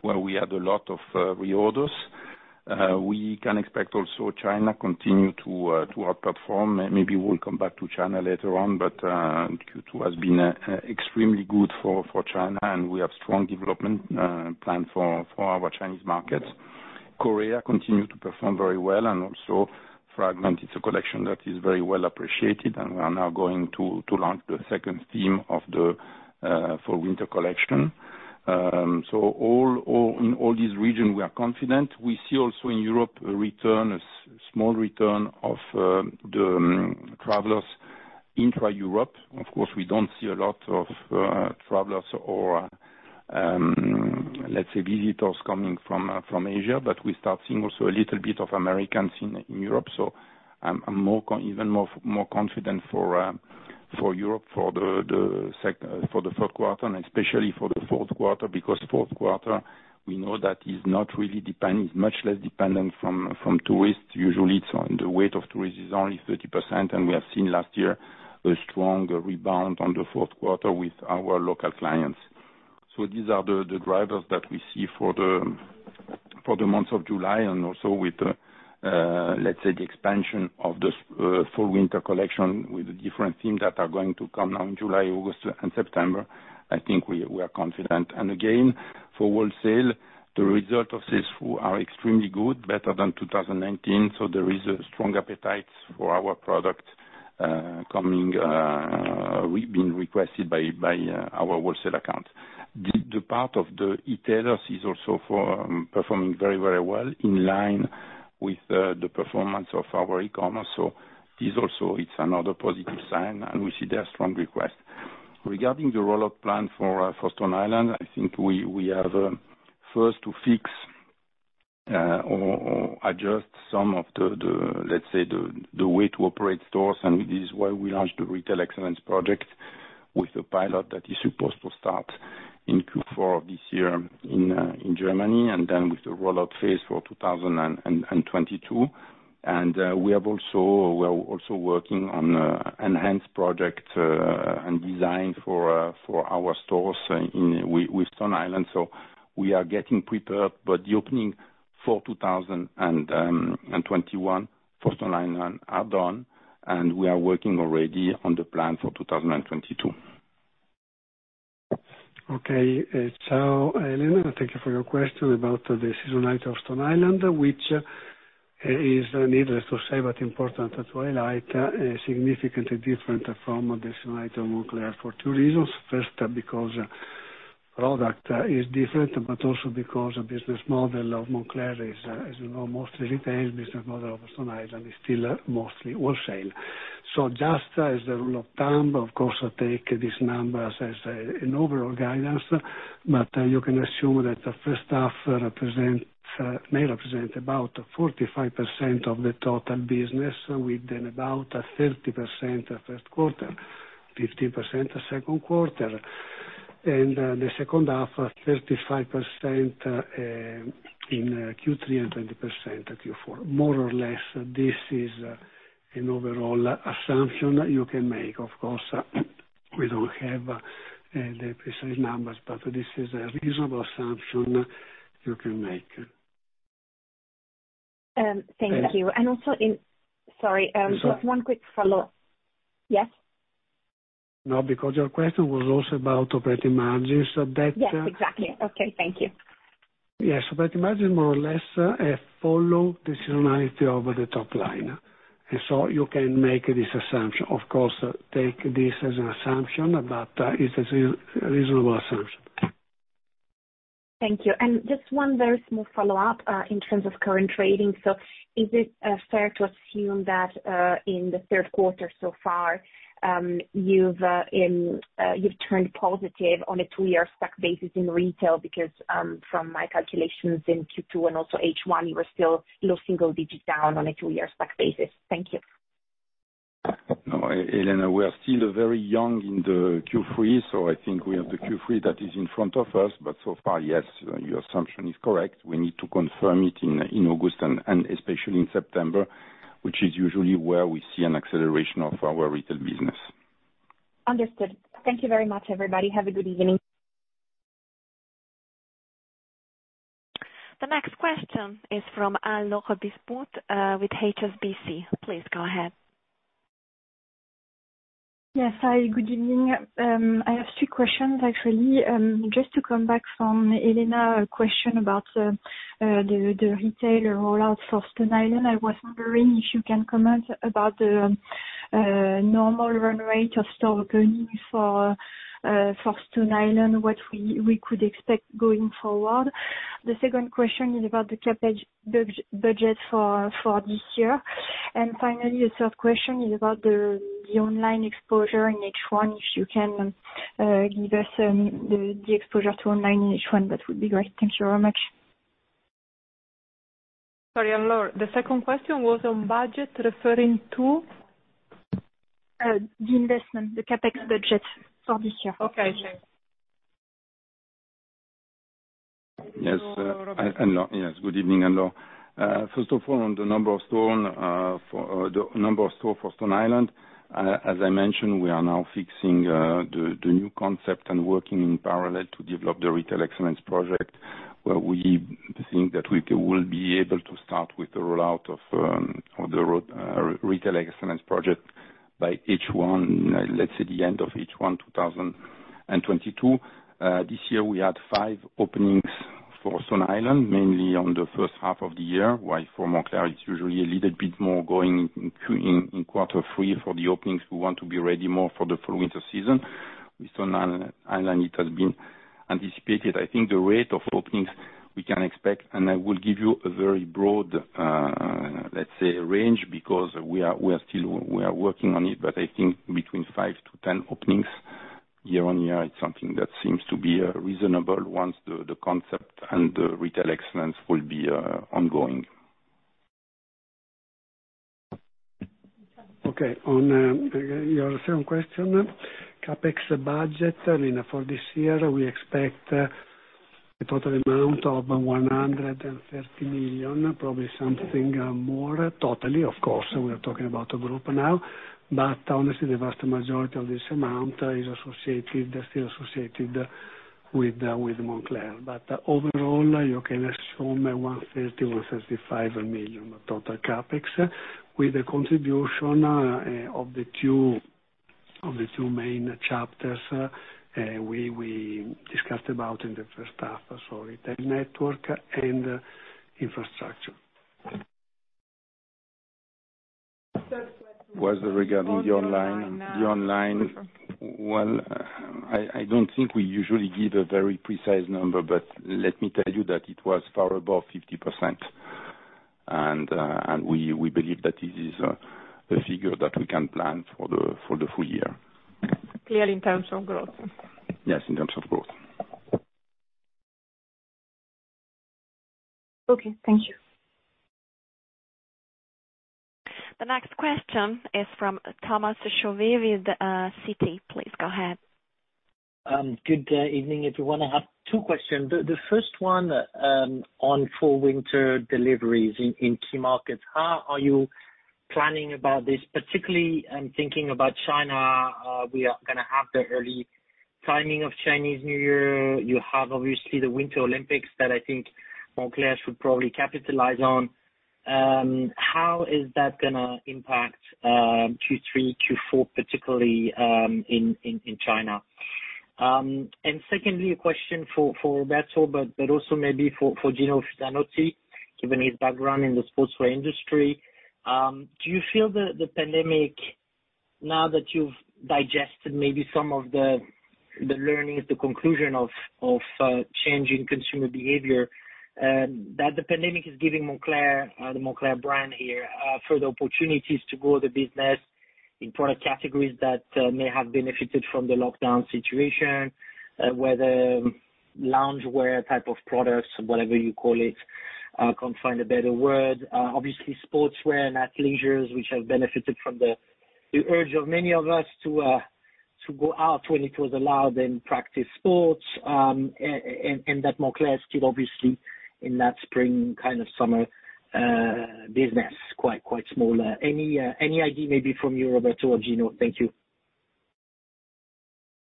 where we had a lot of reorders. We can expect also China continue to outperform. Maybe we'll come back to China later on, but Q2 has been extremely good for China, and we have strong development planned for our Chinese markets. Korea continued to perform very well, and also Fragment is a collection that is very well appreciated, and we are now going to launch the second theme for winter collection. In all these regions, we are confident. We see also in Europe, a small return of the travelers intra-Europe. Of course, we don't see a lot of travelers or, let's say, visitors coming from Asia, but we start seeing also a little bit of Americans in Europe. I'm even more confident for Europe for the third quarter and especially for the fourth quarter, because fourth quarter, we know that it's much less dependent from tourists. Usually, the weight of tourists is only 30%, and we have seen last year a strong rebound on the fourth quarter with our local clients. These are the drivers that we see for the month of July and also with, let's say, the expansion of the fall/winter collection with the different themes that are going to come now in July, August, and September. I think we are confident. Again, for wholesale, the result of this are extremely good, better than 2019. There is a strong appetite for our product being requested by our wholesale account. The part of the e-tailers is also performing very, very well, in line with the performance of our e-commerce. This also it's another positive sign, and we see their strong request. Regarding the rollout plan for Stone Island, I think we have first to fix or adjust some of the, let's say, the way to operate stores, and this is why we launched the Retail Excellence project with the pilot that is supposed to start in Q4 of this year in Germany, and then with the rollout phase for 2022. We are also working on enhanced project and design for our stores with Stone Island. We are getting prepared. The opening for 2021 for Stone Island are done, and we are working already on the plan for 2022. Okay. Ciao, Elena. Thank you for your question about the seasonality of Stone Island, which is needless to say, but important to highlight, significantly different from the seasonality of Moncler for two reasons. First, because product is different, but also because business model of Moncler is, as you know, mostly retail. Business model of Stone Island is still mostly wholesale. Just as the rule of thumb, of course, take these numbers as an overall guidance, but you can assume that the first half may represent about 45% of the total business, with about 30% first quarter, 15% second quarter. The second half, 35% in Q3 and 20% in Q4. More or less, this is an overall assumption you can make. Of course, we don't have the precise numbers, but this is a reasonable assumption you can make. Thank you. And also, sorry. Just one quick follow-up. Yes? No, because your question was also about operating margins. Yes, exactly. Okay, thank you. Yes. Operating margin more or less follow the seasonality of the top line. You can make this assumption. Of course, take this as an assumption, but it's a reasonable assumption. Thank you. Just one very small follow-up, in terms of current trading. Is it fair to assume that, in the third quarter so far, you've turned positive on a two-year stack basis in retail because, from my calculations in Q2 and also H1, you were still low single digits down on a two-year stack basis? Thank you. No, Elena, we are still very young in the Q3. I think we have the Q3 that is in front of us. So far, yes, your assumption is correct. We need to confirm it in August and especially in September, which is usually where we see an acceleration of our retail business. Understood. Thank you very much, everybody. Have a good evening. The next question is from Anne-Laure Bismuth with HSBC. Please go ahead. Yes, hi. Good evening. I have three questions, actually. Just to come back from Elena question about the retail rollout for Stone Island, I was wondering if you can comment about the normal run rate of store opening for Stone Island, what we could expect going forward. The second question is about the CapEx budget for this year. Finally, the third question is about the online exposure in H1. If you can give us the exposure to online in H1, that would be great. Thank you very much. Sorry, Anne-Laure, the second question was on budget referring to? The investment, the CapEx budget for this year. Okay, sure. Yes. Good evening, Anne-Laure. First of all, on the number of store for Stone Island, as I mentioned, we are now fixing the new concept and working in parallel to develop the Retail Excellence project, where we think that we will be able to start with the rollout of the Retail Excellence project by, let's say, the end of H1 2022. This year we had five openings for Stone Island, mainly on the first half of the year, while for Moncler it's usually a little bit more going in quarter three for the openings. We want to be ready more for the full winter season. With Stone Island it has been anticipated. I think the rate of openings we can expect, and I will give you a very broad let's say range because we are still working on it, but I think between 5-10 openings year on year is something that seems to be reasonable once the concept and the retail excellence will be ongoing. Okay. On your second question, CapEx budget for this year, we expect a total amount of 130 million, probably something more totally. Of course, we are talking about a group now. Honestly, the vast majority of this amount is still associated with Moncler. Overall, you can assume 130 million, 135 million total CapEx with the contribution of the two main chapters we discussed about in the first half. Retail network and infrastructure. Third question was regarding the online. Was regarding the online. The online, well, I don't think we usually give a very precise number. Let me tell you that it was far above 50%. We believe that it is a figure that we can plan for the full year. Clearly, in terms of growth. Yes, in terms of growth. Okay. Thank you. The next question is from Thomas Chauvet with Citi. Please go ahead. Good evening, everyone. I have two questions. The first one on fall/winter deliveries in key markets. How are you planning about this? Particularly, I'm thinking about China. We are going to have the early timing of Chinese New Year. You have, obviously, the Winter Olympics that I think Moncler should probably capitalize on. How is that going to impact Q3, Q4, particularly in China? Secondly, a question for Roberto, but also maybe for Gino Fisanotti, given his background in the sportswear industry. Do you feel the pandemic, now that you've digested maybe some of the learnings, the conclusion of changing consumer behavior, that the pandemic is giving the Moncler brand here further opportunities to grow the business in product categories that may have benefited from the lockdown situation, whether loungewear type of products, whatever you call it, can't find a better word? Obviously, sportswear and athleisure, which have benefited from the urge of many of us to go out when it was allowed and practice sports, and that Moncler is still obviously in that spring kind of summer business, quite small. Any idea maybe from you, Roberto or Gino? Thank you.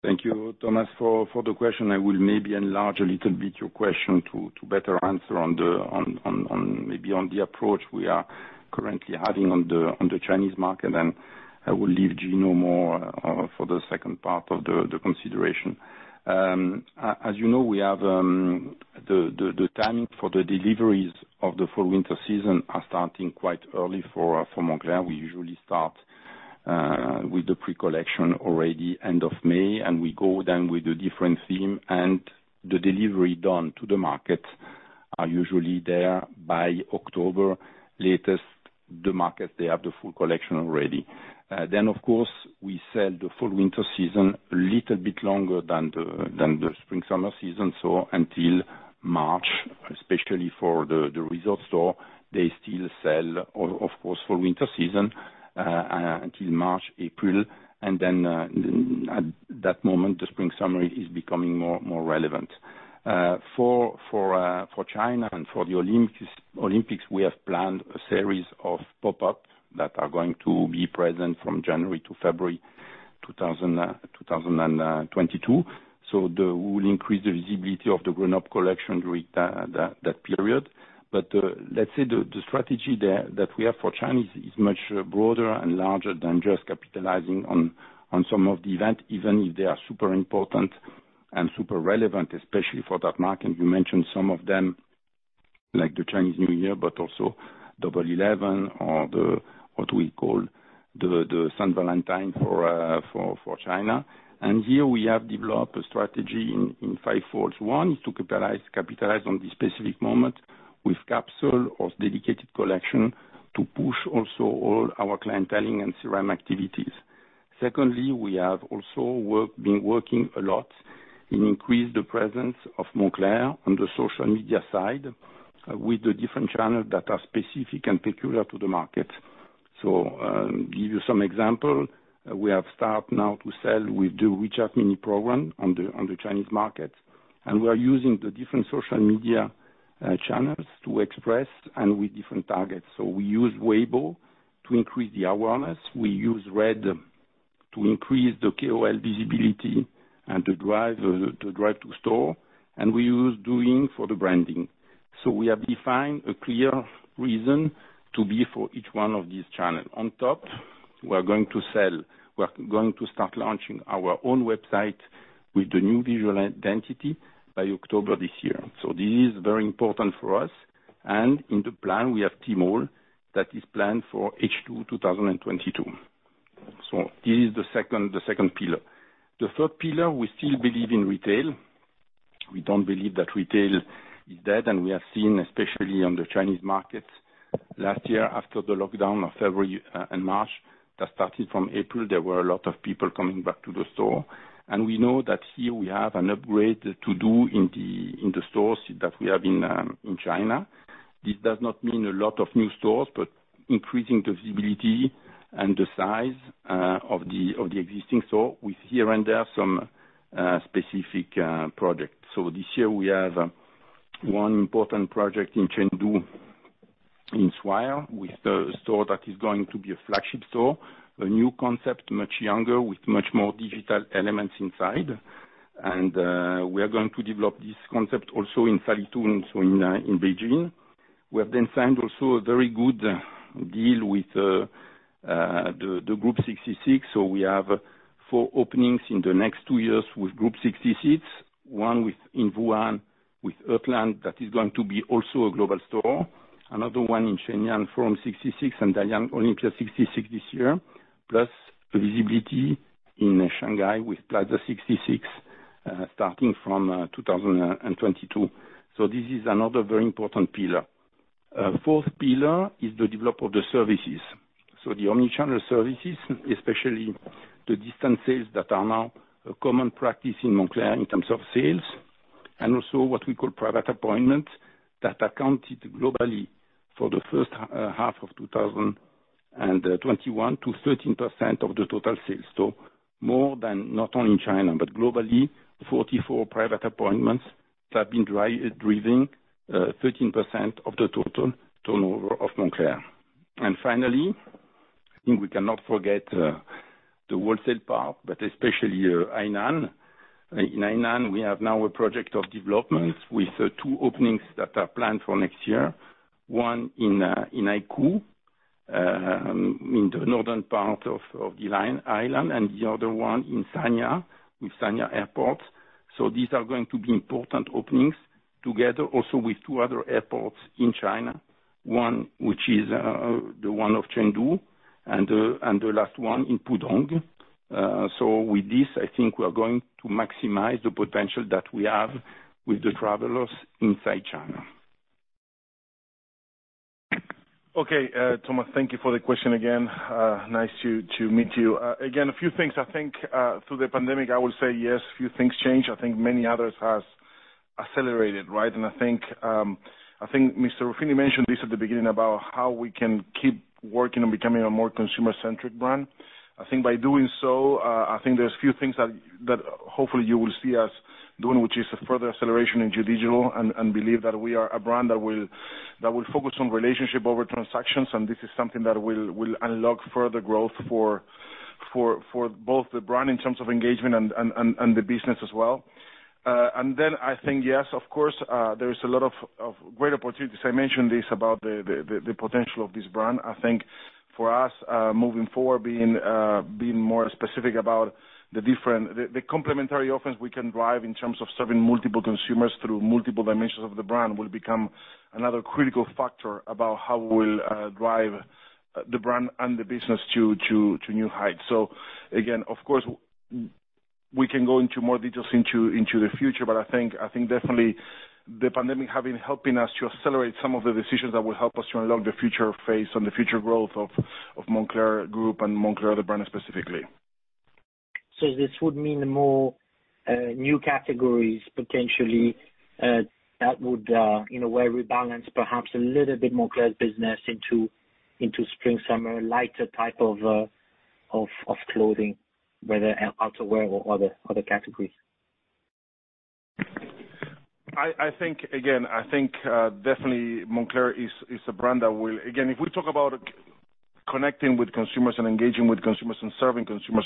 Thank you, Thomas, for the question. I will maybe enlarge a little bit your question to better answer maybe on the approach we are currently having on the Chinese market, and I will leave Gino more for the second part of the consideration. As you know, the timing for the deliveries of the fall/winter season are starting quite early for Moncler. We usually start with the pre-collection already end of May, and we go then with the different theme and the delivery done to the market are usually there by October latest. The market, they have the full collection already. Of course, we sell the fall/winter season a little bit longer than the spring/summer season, so until March, especially for the resort store, they still sell, of course, for winter season until March, April. At that moment, the spring/summer is becoming more relevant. For China and for the Olympics, we have planned a series of pop-ups that are going to be present from January to February 2022. We will increase the visibility of the grown-up collection during that period. Let's say the strategy that we have for China is much broader and larger than just capitalizing on some of the event, even if they are super important and super relevant, especially for that market. You mentioned some of them like the Chinese New Year, but also Double 11 or what we call the St. Valentine for China. Here we have developed a strategy in fivefolds. One is to capitalize on the specific moment with capsule or dedicated collection to push also all our clienteling and CRM activities. Secondly, we have also been working a lot in increase the presence of Moncler on the social media side with the different channels that are specific and peculiar to the market. Give you some example. We have start now to sell with the WeChat mini program on the Chinese market, and we are using the different social media channels to express and with different targets. We use Weibo to increase the awareness. We use RED to increase the KOL visibility and to drive to store, and we use Douyin for the branding. We have defined a clear reason to be for each one of these channels. On top, we are going to start launching our own website with the new visual identity by October this year. This is very important for us. In the plan, we have Tmall that is planned for H2 2022. This is the second pillar. The third pillar, we still believe in retail. We don't believe that retail is dead. We have seen, especially on the Chinese markets, last year after the lockdown of February and March, that starting from April, there were a lot of people coming back to the store. We know that here we have an upgrade to do in the stores that we have in China. This does not mean a lot of new stores, but increasing the visibility and the size of the existing store with here and there some specific projects. This year we have one important project in Chengdu, in [Sino-Ocean Taikoo Li], with a store that is going to be a flagship store, a new concept, much younger, with much more digital elements inside. We are going to develop this concept also in Sanlitun, so in Beijing. We have signed also a very good deal with the Group 66. We have four openings in the next two years with Group 66. One in Wuhan with Heartland, that is going to be also a global store. Another one in Shenyang Forum 66 and Dalian Olympia 66 this year. Plus visibility in Shanghai with Plaza 66, starting from 2022. This is another very important pillar. Fourth pillar is the develop of the services. The omni-channel services, especially the distance sales that are now a common practice in Moncler in terms of sales, and also what we call private appointment that accounted globally for the first half of 2021 to 13% of the total sales. More than, not only in China, but globally, 44 private appointments have been driving 13% of the total turnover of Moncler. Finally, I think we cannot forget the wholesale part, especially Hainan. In Hainan, we have now a project of development with two openings that are planned for next year. One in Haikou, in the northern part of the island, and the other one in Sanya, with Sanya Airport. These are going to be important openings together also with two other airports in China, one which is the one of Chengdu and the last one in Pudong. With this, I think we are going to maximize the potential that we have with the travelers inside China. Okay, Thomas, thank you for the question again. Nice to meet you. Again, a few things, I think, through the pandemic, I will say, yes, few things change. I think many others has accelerated, right? I think Mr. Ruffini mentioned this at the beginning about how we can keep working on becoming a more consumer-centric brand. I think by doing so, I think there's a few things that hopefully you will see us doing, which is a further acceleration into digital and believe that we are a brand that will focus on relationship over transactions, and this is something that will unlock further growth for both the brand in terms of engagement and the business as well. I think, yes, of course, there is a lot of great opportunities. I mentioned this about the potential of this brand. I think for us, moving forward, being more specific about the complementary offers we can drive in terms of serving multiple consumers through multiple dimensions of the brand will become another critical factor about how we'll drive the brand and the business to new heights. Again, of course, we can go into more details into the future, but I think definitely the pandemic helping us to accelerate some of the decisions that will help us to unlock the future phase and the future growth of Moncler Group and Moncler the brand specifically. This would mean more new categories potentially that would, in a way, rebalance perhaps a little bit more clothes business into spring/summer, lighter type of clothing, whether outerwear or other categories. Again, I think definitely Moncler is a brand that will, again, if we talk about connecting with consumers and engaging with consumers and serving consumers,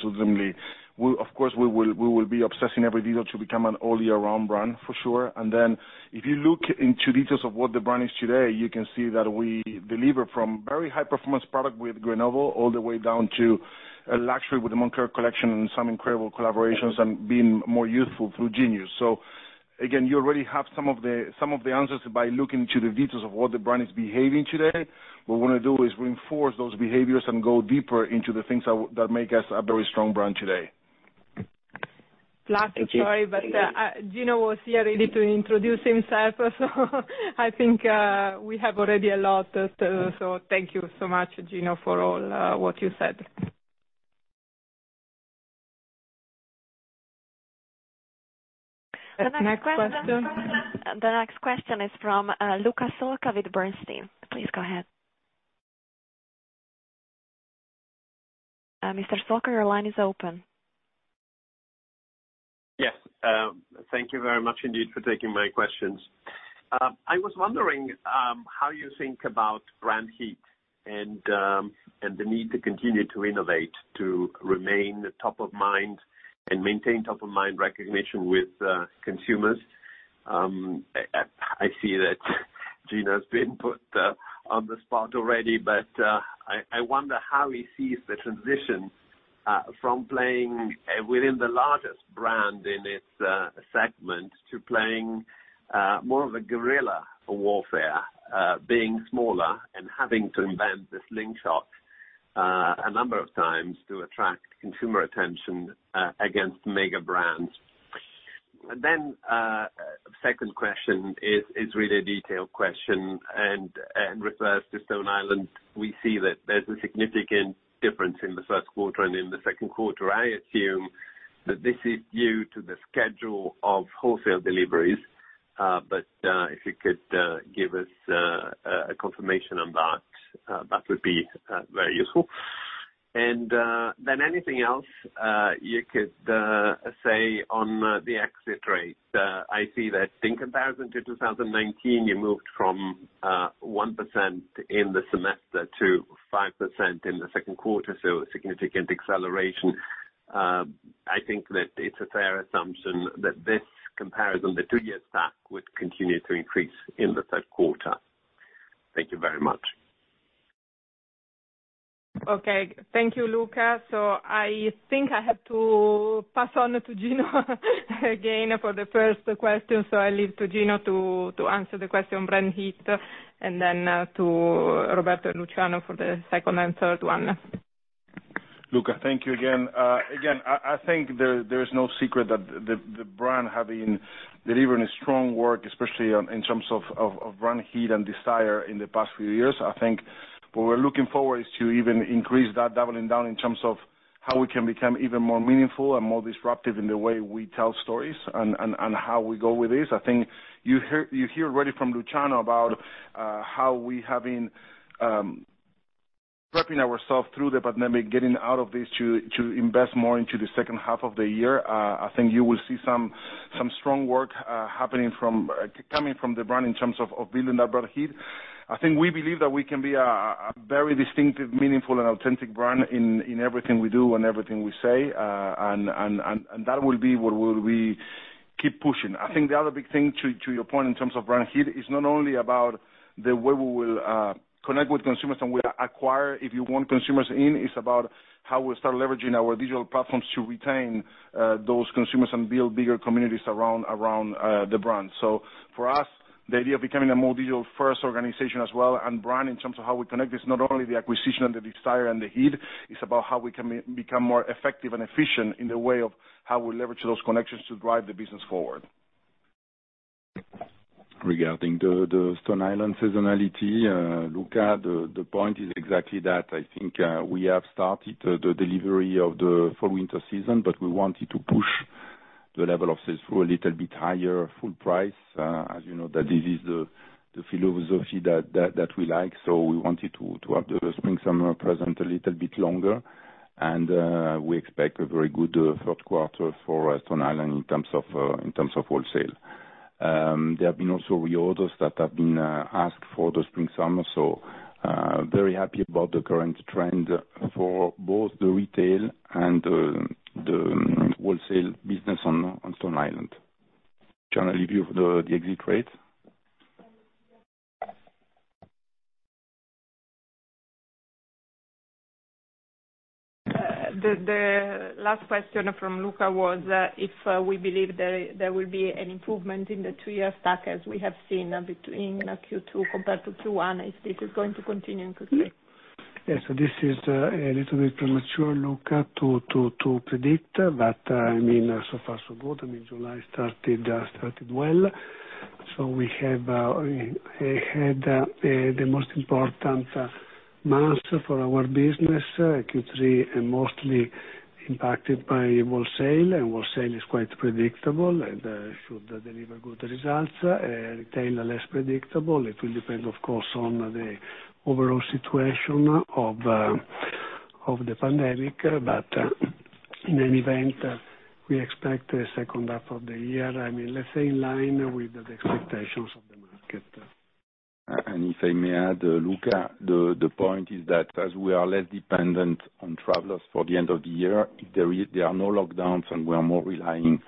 of course, we will be obsessing every detail to become an all-year-round brand for sure. If you look into details of what the brand is today, you can see that we deliver from very high-performance product with all the way down to luxury with the Moncler collection and some incredible collaborations and being more youthful through Genius. Again, you already have some of the answers by looking into the details of what the brand is behaving today. What we want to do is reinforce those behaviors and go deeper into the things that make us a very strong brand today. Sorry, Gino was here ready to introduce himself so I think we have already a lot. Thank you so much, Gino, for all what you said. The next question is from Luca Solca with Bernstein. Please go ahead. Mr. Solca, your line is open. Yes. Thank you very much indeed for taking my questions. I was wondering how you think about brand heat and the need to continue to innovate to remain top of mind and maintain top-of-mind recognition with consumers. I see that Gino's been put on the spot already, but I wonder how he sees the transition from playing within the largest brand in its segment to playing more of a guerrilla warfare, being smaller and having to invent the slingshot a number of times to attract consumer attention against mega brands. Second question is really a detailed question and refers to Stone Island. We see that there's a significant difference in the first quarter and in the second quarter. I assume that this is due to the schedule of wholesale deliveries. If you could give us a confirmation on that would be very useful. Anything else you could say on the exit rate. I see that comparing 2019, you moved from 1% in the semester to 5% in the second quarter. A significant acceleration. I think that it's a fair assumption that this comparison, the two years back, would continue to increase in the third quarter. Thank you very much. Okay. Thank you, Luca. I think I have to pass on to Gino again for the first question. I leave to Gino to answer the question brand heat, and then to Roberto and Luciano for the second and third one. Luca, thank you again. Again, I think there is no secret that the brand have been delivering a strong work, especially in terms of brand heat and desire in the past few years. I think what we're looking forward is to even increase that, doubling down in terms of how we can become even more meaningful and more disruptive in the way we tell stories and how we go with this. I think you hear already from Luciano about how we have been prepping ourself through the pandemic, getting out of this to invest more into the second half of the year. I think you will see some strong work coming from the brand in terms of building that brand heat. I think we believe that we can be a very distinctive, meaningful and authentic brand in everything we do and everything we say, and that will be what we will keep pushing. I think the other big thing, to your point in terms of brand heat, is not only about the way we will connect with consumers and we acquire, if you want consumers in, it's about how we start leveraging our digital platforms to retain those consumers and build bigger communities around the brand. For us, the idea of becoming a more digital-first organization as well and brand in terms of how we connect, it's not only the acquisition and the desire and the heat, it's about how we can become more effective and efficient in the way of how we leverage those connections to drive the business forward. Regarding the Stone Island seasonality, Luca, the point is exactly that. I think we have started the delivery of the fall/winter season, but we wanted to push the level of sales through a little bit higher, full price. As you know, that this is the philosophy that we like. We wanted to have the spring/summer present a little bit longer and we expect a very good third quarter for Stone Island in terms of wholesale. There have been also reorders that have been asked for the spring/summer, so very happy about the current trend for both the retail and the wholesale business on Stone Island. Luciano, the exit rate? The last question from Luca was if we believe there will be an improvement in the two-year stack as we have seen between Q2 compared to Q1. If this is going to continue into Q3? This is a little bit premature, Luca, to predict. So far so good. July started well. We had the most important month for our business, Q3, and mostly impacted by wholesale. Wholesale is quite predictable and should deliver good results. Retail is less predictable. It will depend, of course, on the overall situation of the pandemic. In any event, we expect the second half of the year, let's say, in line with the expectations of the market. If I may add, Luca, the point is that as we are less dependent on travelers for the end of the year, if there are no lockdowns and we are more relying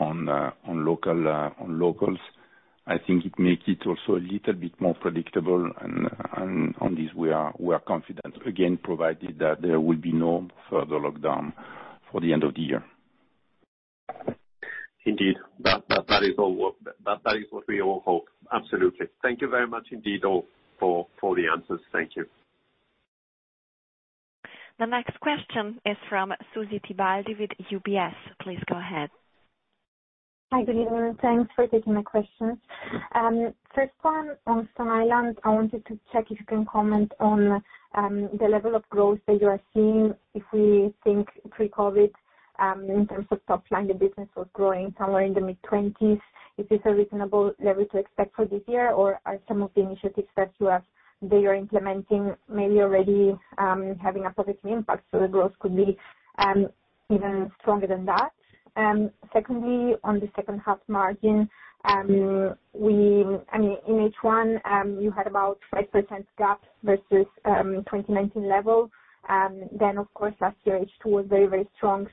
on locals, I think it makes it also a little bit more predictable and on this we are confident, again, provided that there will be no further lockdown for the end of the year. Indeed. That is what we all hope. Absolutely. Thank you very much indeed all for the answers. Thank you. The next question is from Susy Tibaldi with UBS. Please go ahead. Hi. Good evening. Thanks for taking my questions. First one on Stone Island, I wanted to check if you can comment on the level of growth that you are seeing if we think pre-COVID. In terms of top line, the business was growing somewhere in the mid-20s. Is this a reasonable level to expect for this year, or are some of the initiatives that you are implementing maybe already having a positive impact, so the growth could be even stronger than that? Secondly, on the second half margin, in H1 you had about 5% gap versus 2019 levels. Of course last year H2 was very, very strong.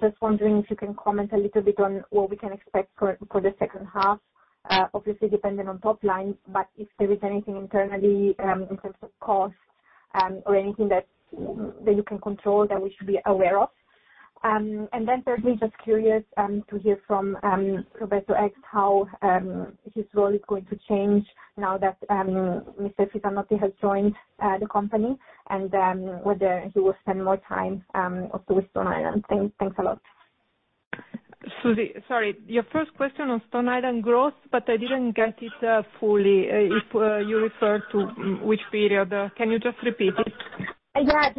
Just wondering if you can comment a little bit on what we can expect for the second half. Obviously depending on top line, but if there is anything internally in terms of costs or anything that you can control that we should be aware of. Thirdly, just curious to hear from Roberto Eggs how his role is going to change now that Mr. Fisanotti has joined the company, and whether he will spend more time also with Stone Island. Thanks a lot. Susy, sorry, your first question on Stone Island growth, but I didn't get it fully, if you refer to which period? Can you just repeat it? Yeah,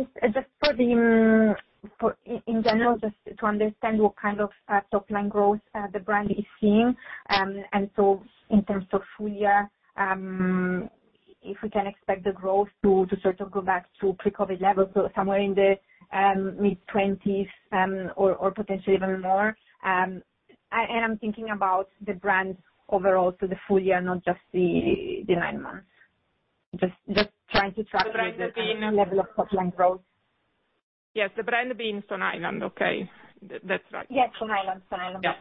in general, just to understand what kind of top-line growth the brand is seeing. In terms of full year, if we can expect the growth to sort of go back to pre-COVID levels, so somewhere in the mid-20s or potentially even more. I'm thinking about the brand overall, so the full year, not just the nine months. Just trying to track the level of top-line growth. Yes, the brand being Stone Island, okay. That's right. Yes, Stone Island. Yeah.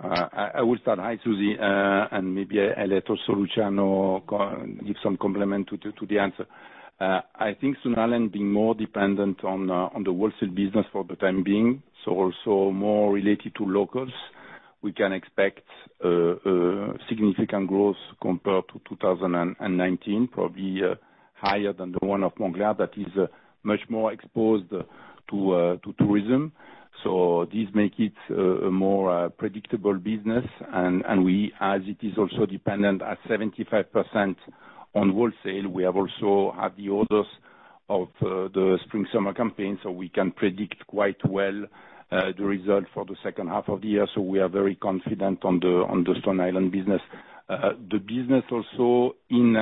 I will start. Hi, Susy, and maybe I'll let also Luciano give some complement to the answer. I think Stone Island being more dependent on the wholesale business for the time being, so also more related to locals. We can expect a significant growth compared to 2019, probably higher than the one of Moncler that is much more exposed to tourism. This makes it a more predictable business. As it is also dependent at 75% on wholesale, we have also had the orders of the spring/summer campaign, so we can predict quite well the result for the second half of the year. We are very confident on the Stone Island business. The business also in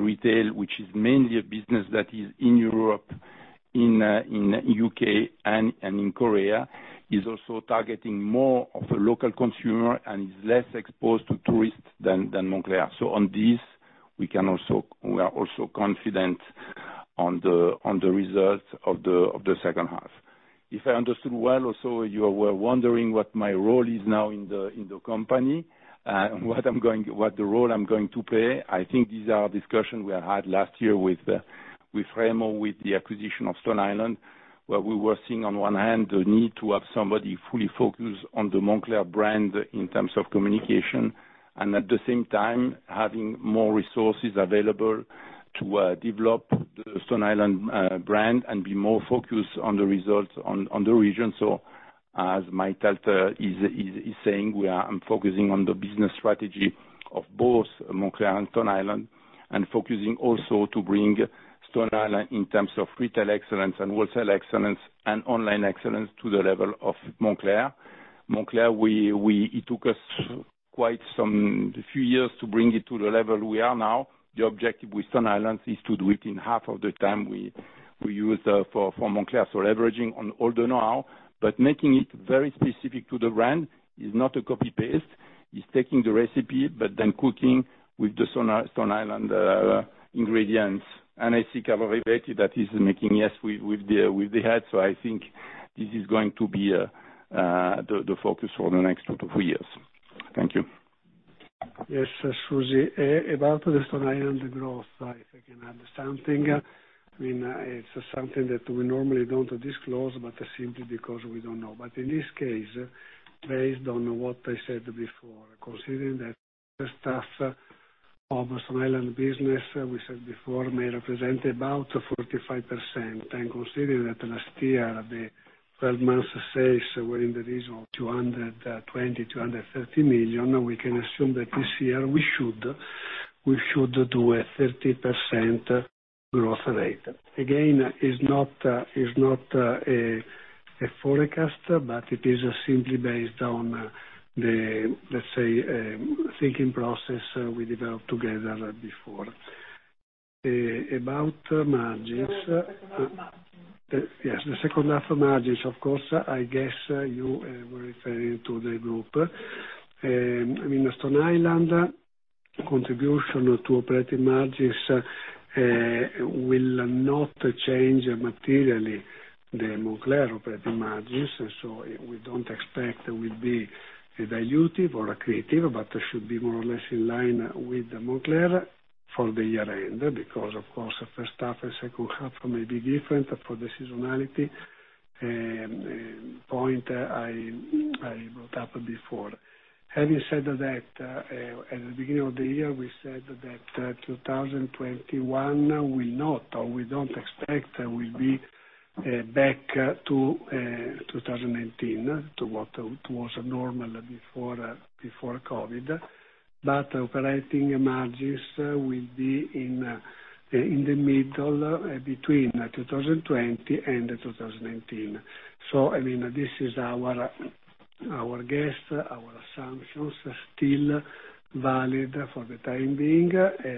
retail, which is mainly a business that is in Europe, in U.K., and in Korea, is also targeting more of a local consumer and is less exposed to tourists than Moncler. On this, we are also confident on the results of the second half. If I understood well also, you were wondering what my role is now in the company, what the role I'm going to play. I think these are discussion we had last year with Remo, with the acquisition of Stone Island, where we were seeing on one hand the need to have somebody fully focused on the Moncler brand in terms of communication, and at the same time having more resources available to develop the Stone Island brand and be more focused on the results on the region. As is saying, I'm focusing on the business strategy of both Moncler and Stone Island and focusing also to bring Stone Island in terms of retail excellence and wholesale excellence and online excellence to the level of Moncler. Moncler, it took us quite a few years to bring it to the level we are now. The objective with Stone Island is to do it in half of the time we used for Moncler, so leveraging on all the know-how. Making it very specific to the brand is not a copy-paste. It's taking the recipe, but then cooking with the Stone Island ingredients. I think I've already said that is making yes with the head, so I think this is going to be the focus for the next two to three years. Thank you. Yes, Susy. About the Stone Island growth, if I can add something. It's something that we normally don't disclose, but simply because we don't know. In this case, based on what I said before, considering that the staff of Stone Island business, we said before, may represent about 45%, and considering that last year the 12 months sales were in the region of 220 million-230 million, we can assume that this year we should do a 30% growth rate. Again, is not a forecast, but it is simply based on the, let's say, thinking process we developed together before. About margins- The second half margins. Yes, the second half margins, of course, I guess you were referring to the group. Stone Island contribution to operating margins will not change materially the Moncler operating margins. We don't expect will be dilutive or accretive, but should be more or less in line with the Moncler for the year end because of course the first half and second half may be different for the seasonality point I brought up before. Having said that, at the beginning of the year, we said that 2021 will not or we don't expect will be back to 2019, to what was normal before COVID. Operating margins will be in the middle between 2020 and 2019. This is our guess, our assumptions are still valid for the time being,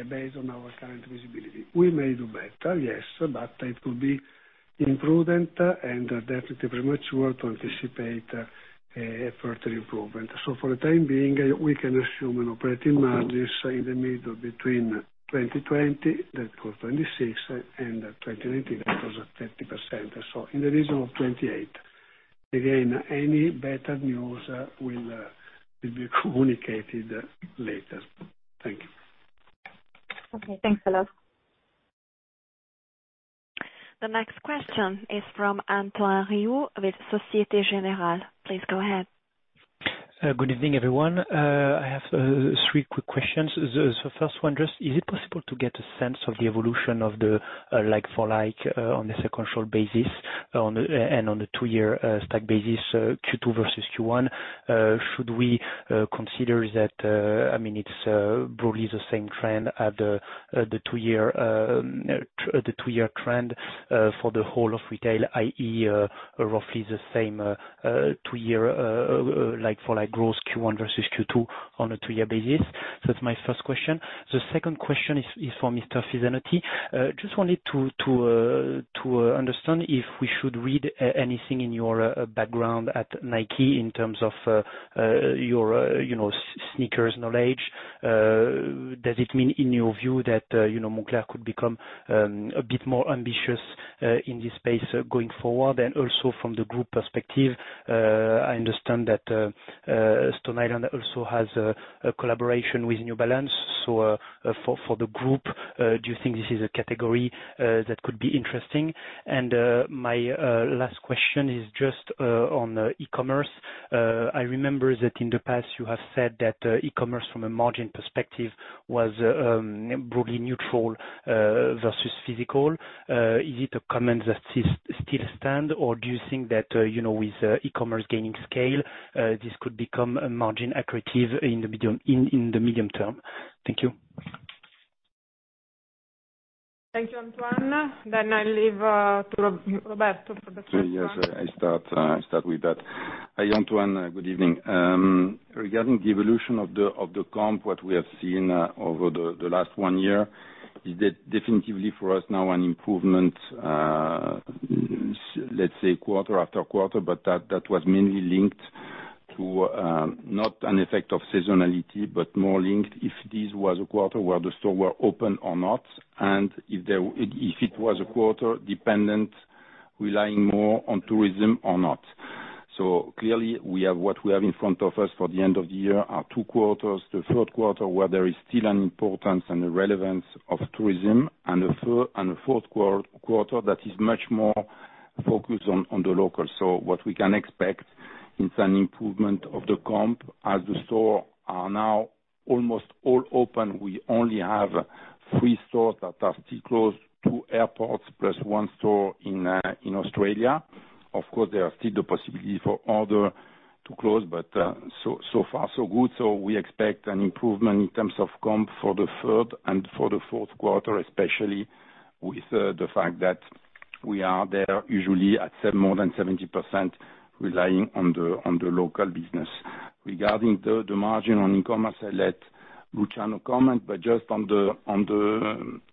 based on our current visibility. We may do better, yes, but it would be imprudent and definitely premature to anticipate a further improvement. For the time being, we can assume operating margins in the middle between 2020, that was 26%, and 2019, that was 30%. In the region of 28%. Again, any better news will be communicated later. Thank you. Okay. Thanks a lot. The next question is from Antoine Riou with Société Générale. Please go ahead. Good evening, everyone. I have three quick questions. The first one, just is it possible to get a sense of the evolution of the like-for-like on a sequential basis and on the two-year stack basis, Q2 versus Q1? Should we consider that it's broadly the same trend at the two-year trend for the whole of retail, i.e., roughly the same two-year like-for-like growth Q1 versus Q2 on a two-year basis? That's my first question. The second question is for Mr. Fisanotti. Just wanted to understand if we should read anything in your background at Nike in terms of your sneakers knowledge. Does it mean in your view that Moncler could become a bit more ambitious in this space going forward? Also from the group perspective, I understand that Stone Island also has a collaboration with New Balance. For the group, do you think this is a category that could be interesting? My last question is just on e-commerce. I remember that in the past you have said that e-commerce from a margin perspective was broadly neutral versus physical. Is it a comment that still stands or do you think that, with e-commerce gaining scale, this could become a margin accretive in the medium-term? Thank you. Thank you, Antoine. I leave to Roberto for the first one. Yes, I start with that. Hi, Antoine, good evening. Regarding the evolution of the comp, what we have seen over the last one year is definitively for us now an improvement, let's say quarter after quarter, but that was mainly linked to not an effect of seasonality, but more linked if this was a quarter where the store were open or not, and if it was a quarter dependent relying more on tourism or not. Clearly what we have in front of us for the end of the year are two quarters, the third quarter, where there is still an importance and a relevance of tourism, and a fourth quarter that is much more focused on the local. What we can expect is an improvement of the comp as the store are now almost all open. We only have three stores that are still closed, two airports plus one store in Australia. Of course, there are still the possibility for other to close, but so far so good. We expect an improvement in terms of comp for the third and for the fourth quarter, especially with the fact that we are there usually at more than 70% relying on the local business. Regarding the margin on e-commerce, I let Luciano comment, but just on the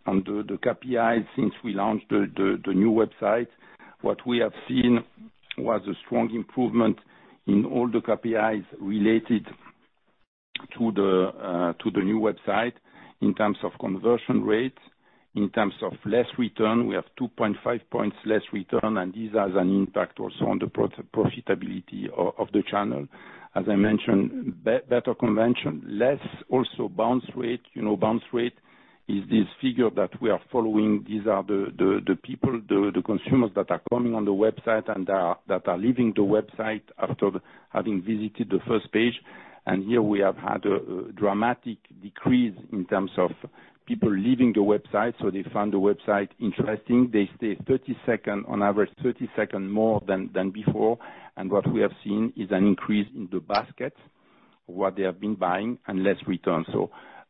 KPI, since we launched the new website, what we have seen was a strong improvement in all the KPIs related to the new website in terms of conversion rates, in terms of less return. We have 2.5 points less return, and this has an impact also on the profitability of the channel. As I mentioned, better conversion, less also bounce rate. Bounce rate is this figure that we are following. These are the people, the consumers that are coming on the website and that are leaving the website after having visited the first page. Here we have had a dramatic decrease in terms of people leaving the website. They found the website interesting. They stay on average 30 seconds more than before. What we have seen is an increase in the basket, what they have been buying, and less return.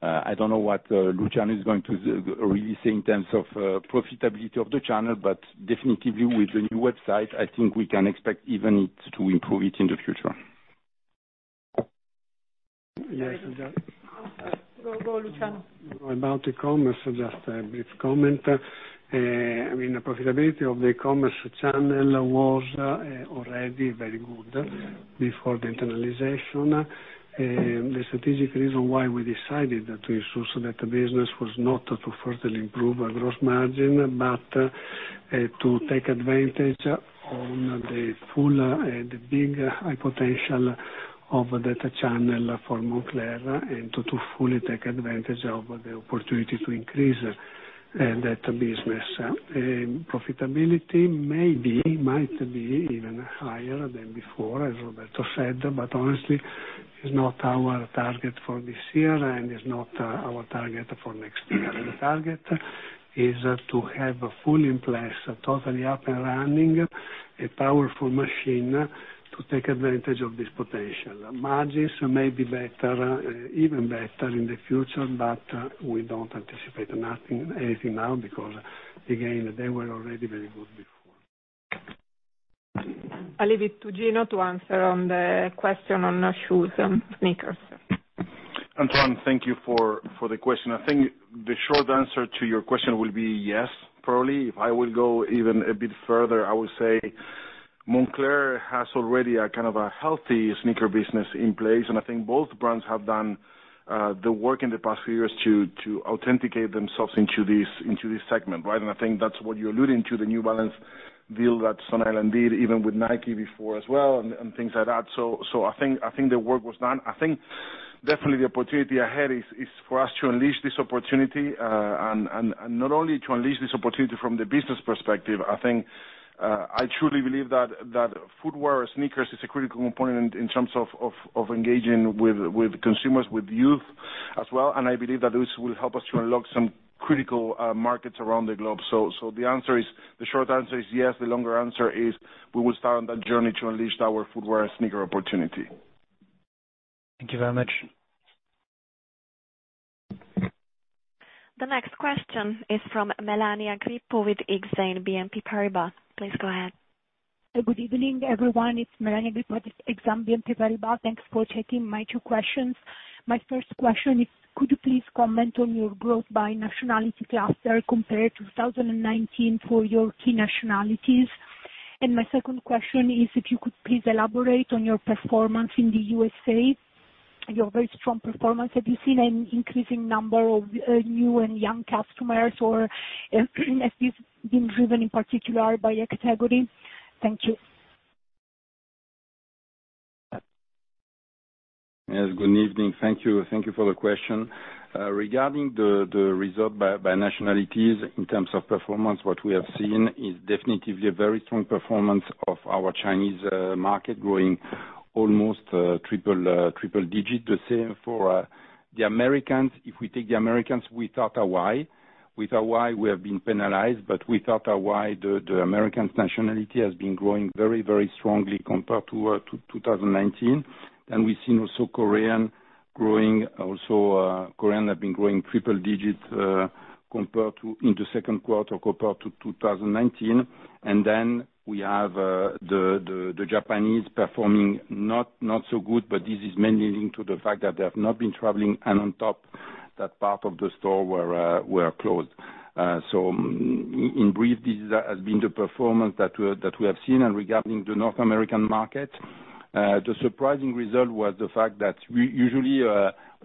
I don't know what Luciano is going to really say in terms of profitability of the channel, but definitively with the new website, I think we can expect even to improve it in the future. Yes. Go, Luciano. About e-commerce, just a brief comment. Profitability of the e-commerce channel was already very good before the internalization. The strategic reason why we decided to source that business was not to further improve our gross margin, but to take advantage on the full and big high potential of that channel for Moncler and to fully take advantage of the opportunity to increase that business. Profitability might be even higher than before, as Roberto said, but honestly is not our target for this year and is not our target for next year. The target is to have fully in place, totally up and running, a powerful machine to take advantage of this potential. Margins may be even better in the future, but we don't anticipate anything now because, again, they were already very good before. I leave it to Gino to answer on the question on shoes and sneakers. Antoine, thank you for the question. I think the short answer to your question will be yes, probably. If I will go even a bit further, I would say Moncler has already a kind of a healthy sneaker business in place, and I think both brands have done the work in the past few years to authenticate themselves into this segment. Right? I think that's what you're alluding to, the New Balance deal that Stone Island did, even with Nike before as well, and things like that. I think the work was done. I think definitely the opportunity ahead is for us to unleash this opportunity, and not only to unleash this opportunity from the business perspective. I truly believe that footwear sneakers is a critical component in terms of engaging with consumers, with youth as well, and I believe that this will help us to unlock some critical markets around the globe. The short answer is yes. The longer answer is we will start on that journey to unleash our footwear sneaker opportunity. Thank you very much. The next question is from Melania Grippo with Exane BNP Paribas. Please go ahead. Good evening, everyone. It's Melania Grippo with Exane BNP Paribas. Thanks for taking my two questions. My first question is, could you please comment on your growth by nationality cluster compared to 2019 for your key nationalities? My second question is if you could please elaborate on your performance in the U.S.A., your very strong performance. Have you seen an increasing number of new and young customers, or has this been driven in particular by a category? Thank you. Yes. Good evening. Thank you for the question. Regarding the result by nationalities in terms of performance, what we have seen is definitely a very strong performance of our Chinese market growing almost triple-digit. The same for the Americans. If we take the Americans without Hawaii. With Hawaii we have been penalized, but without Hawaii, the Americans nationality has been growing very, very strongly compared to 2019. We've seen also Korean have been growing triple digits in the second quarter compared to 2019. Then we have the Japanese performing not so good, but this is mainly linked to the fact that they have not been traveling, and on top, that part of the store were closed. In brief, this has been the performance that we have seen. Regarding the North American market, the surprising result was the fact that usually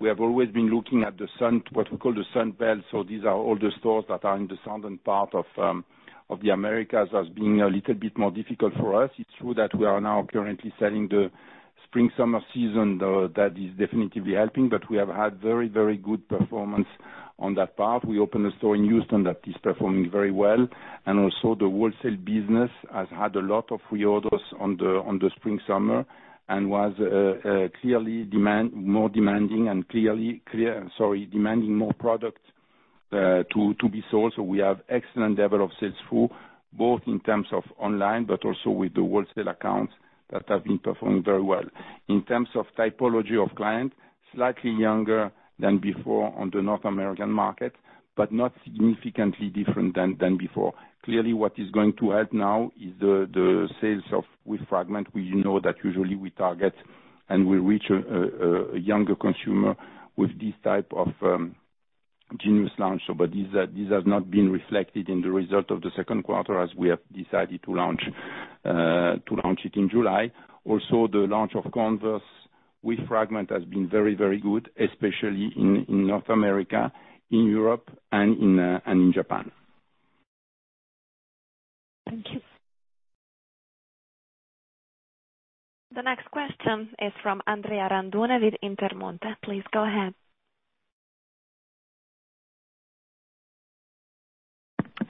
we have always been looking at what we call the Sun Belt. These are all the stores that are in the southern part of the Americas as being a little bit more difficult for us. It's true that we are now currently selling the spring/summer season, though that is definitely helping, but we have had very, very good performance on that part. We opened a store in Houston that is performing very well. Also the wholesale business has had a lot of reorders on the spring/summer and was clearly demanding more products to be sold. We have excellent level of sales through, both in terms of online but also with the wholesale accounts that have been performing very well. In terms of typology of client, slightly younger than before on the North American market, but not significantly different than before. Clearly, what is going to help now is the sales with Fragment. We know that usually we target and we reach a younger consumer with this type of Genius launch. This has not been reflected in the result of the second quarter as we have decided to launch it in July. Also the launch of Converse with Fragment has been very, very good, especially in North America, in Europe, and in Japan. Thank you. The next question is from Andrea Randone with Intermonte. Please go ahead.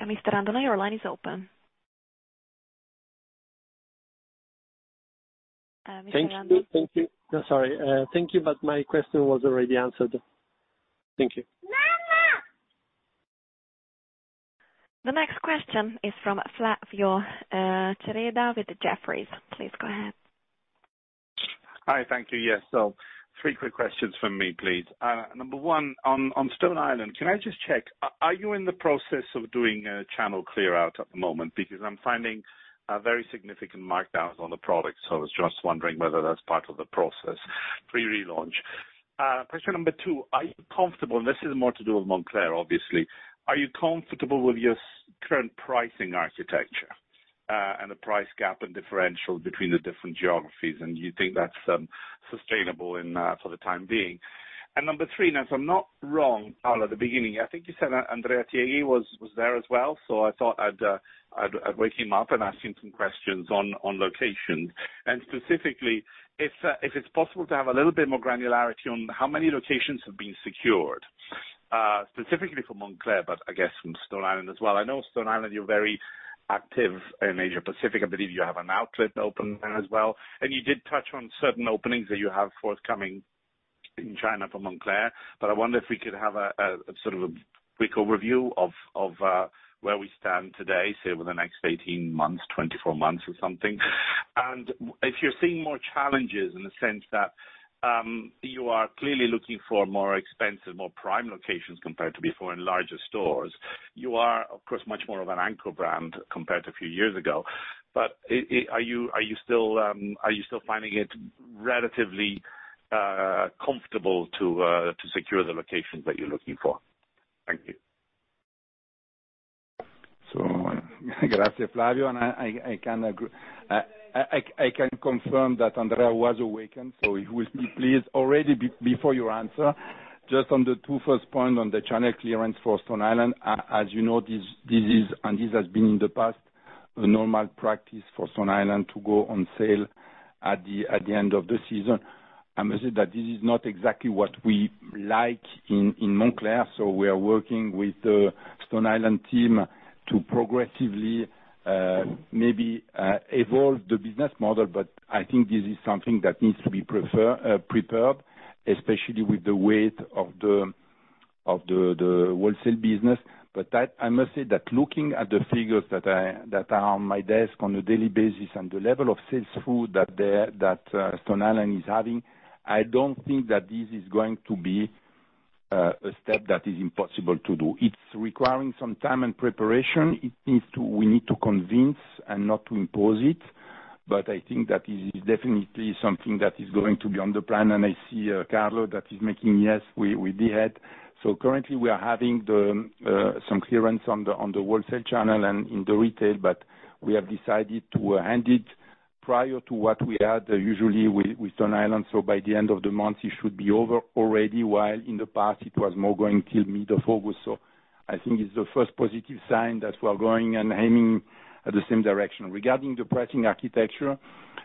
Mr. Randone, your line is open. Mr. Randone? Thank you. Sorry. Thank you, but my question was already answered. Thank you. The next question is from Flavio Cereda with Jefferies. Please go ahead. Hi. Thank you. Yes. Three quick questions from me, please. Number one, on Stone Island, can I just check, are you in the process of doing a channel clear out at the moment? I'm finding very significant markdowns on the product. I was just wondering whether that's part of the process pre-relaunch. Question number two, this is more to do with Moncler, obviously. Are you comfortable with your current pricing architecture, and the price gap and differential between the different geographies? Do you think that's sustainable for the time being? Number three, now, if I'm not wrong, Paola, at the beginning, I think you said Andrea Tieghi was there as well. I thought I'd wake him up and ask him some questions on locations. Specifically, if it's possible to have a little bit more granularity on how many locations have been secured. Specifically for Moncler, but I guess from Stone Island as well. I know Stone Island, you're very active in Asia-Pacific. I believe you have an outlet open there as well, and you did touch on certain openings that you have forthcoming in China for Moncler. I wonder if we could have a quick overview of where we stand today, say over the next 18 months, 24 months or something. If you're seeing more challenges in the sense that you are clearly looking for more expensive, more prime locations compared to before in larger stores. You are, of course, much more of an anchor brand compared to a few years ago. Are you still finding it relatively comfortable to secure the locations that you're looking for? Thank you. Grazie, Flavio, and I can confirm that Andrea was awakened, so if he would be pleased already before you answer, just on the two first point on the channel clearance for Stone Island. As you know, and this has been in the past, a normal practice for Stone Island to go on sale at the end of the season. I must say that this is not exactly what we like in Moncler, so we are working with the Stone Island team to progressively, maybe evolve the business model. I think this is something that needs to be prepared, especially with the weight of the wholesale business. I must say that looking at the figures that are on my desk on a daily basis and the level of sales through that Stone Island is having, I don't think that this is going to be a step that is impossible to do. It's requiring some time and preparation. We need to convince and not to impose it. I think that is definitely something that is going to be on the plan, and I see Carlo that is making, yes, with the head. Currently, we are having some clearance on the wholesale channel and in the retail, but we have decided to end it prior to what we had usually with Stone Island. By the end of the month, it should be over already, while in the past it was more going till mid of August. I think it's the first positive sign that we are going and aiming at the same direction. Regarding the pricing architecture,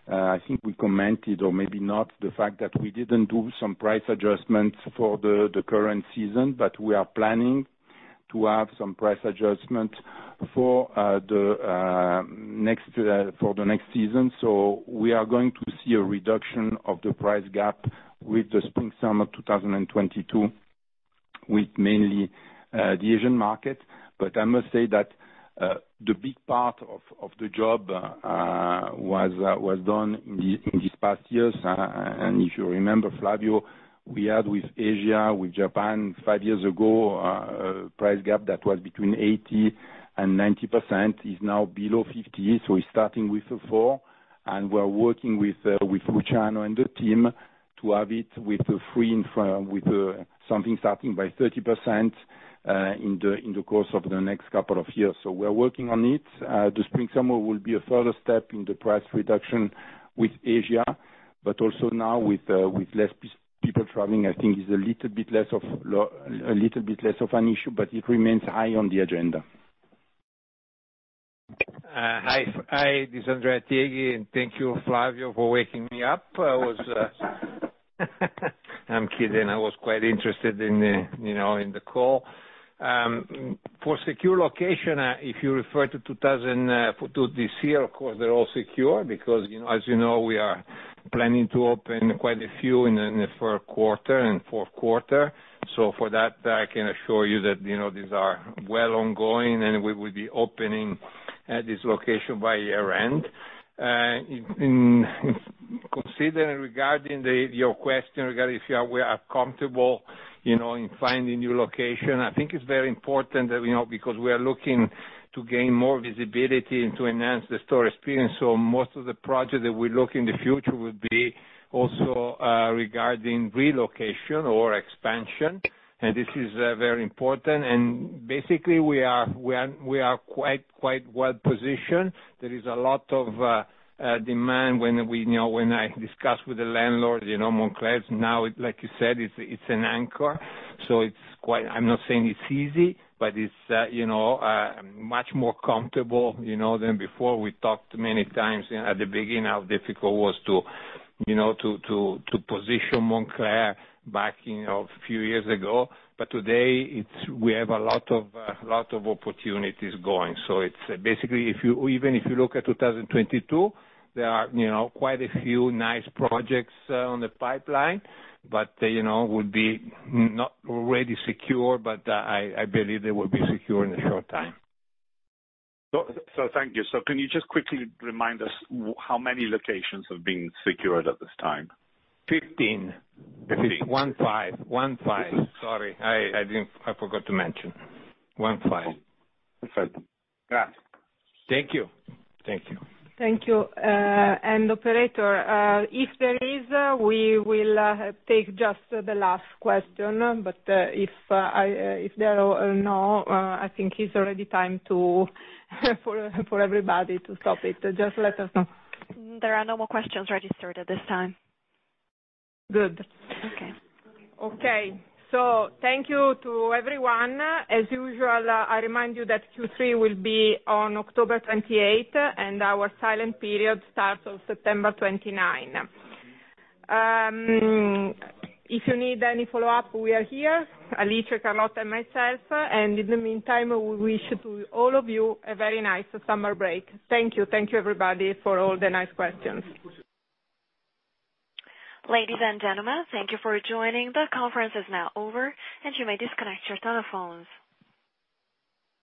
I think we commented, or maybe not, the fact that we didn't do some price adjustments for the current season, but we are planning to have some price adjustment for the next season. We are going to see a reduction of the price gap with the spring/summer 2022, with mainly the Asian market. I must say that the big part of the job was done in these past years. If you remember, Flavio, we had with Asia, with Japan five years ago, a price gap that was between 80% and 90%, is now below 50%. It's starting with a four, and we're working with Luciano and the team to have it with something starting by 30% in the course of the next couple of years. We are working on it. The spring/summer will be a further step in the price reduction with Asia, but also now with less people traveling, I think it's a little bit less of an issue, but it remains high on the agenda. Hi, this is Andrea Tieghi. Thank you, Flavio, for waking me up. I'm kidding. I was quite interested in the call. For secure location, if you refer to this year, of course, they're all secure because, as you know, we are planning to open quite a few in the first quarter and fourth quarter. For that, I can assure you that these are well ongoing and we will be opening this location by year-end. Considering regarding your question regarding if we are comfortable in finding new location, I think it's very important because we are looking to gain more visibility and to enhance the store experience. Most of the project that we look in the future will be also regarding relocation or expansion, and this is very important. Basically, we are quite well-positioned. There is a lot of demand when I discuss with the landlord, Moncler now, like you said, it's an anchor. I'm not saying it's easy, but it's much more comfortable than before. We talked many times at the beginning how difficult it was to position Moncler back a few years ago. Today, we have a lot of opportunities going. Basically, even if you look at 2022, there are quite a few nice projects on the pipeline, but they would be not already secure, but I believe they will be secure in a short time. Thank you. Can you just quickly remind us how many locations have been secured at this time? 15. 15. 15. Sorry, I forgot to mention. 15. Perfect. Grazie. Thank you. Thank you. Operator, if there is, we will take just the last question. If there are no, I think it's already time for everybody to stop it. Just let us know. There are no more questions registered at this time. Good. Okay. Thank you to everyone. As usual, I remind you that Q3 will be on October 28th, and our silent period starts on September 29th. If you need any follow-up, we are here, Alice, Carlotta, and myself. In the meantime, we wish to all of you a very nice summer break. Thank you. Thank you, everybody, for all the nice questions. Ladies and gentlemen, thank you for joining. The conference is now over and you may disconnect your telephones.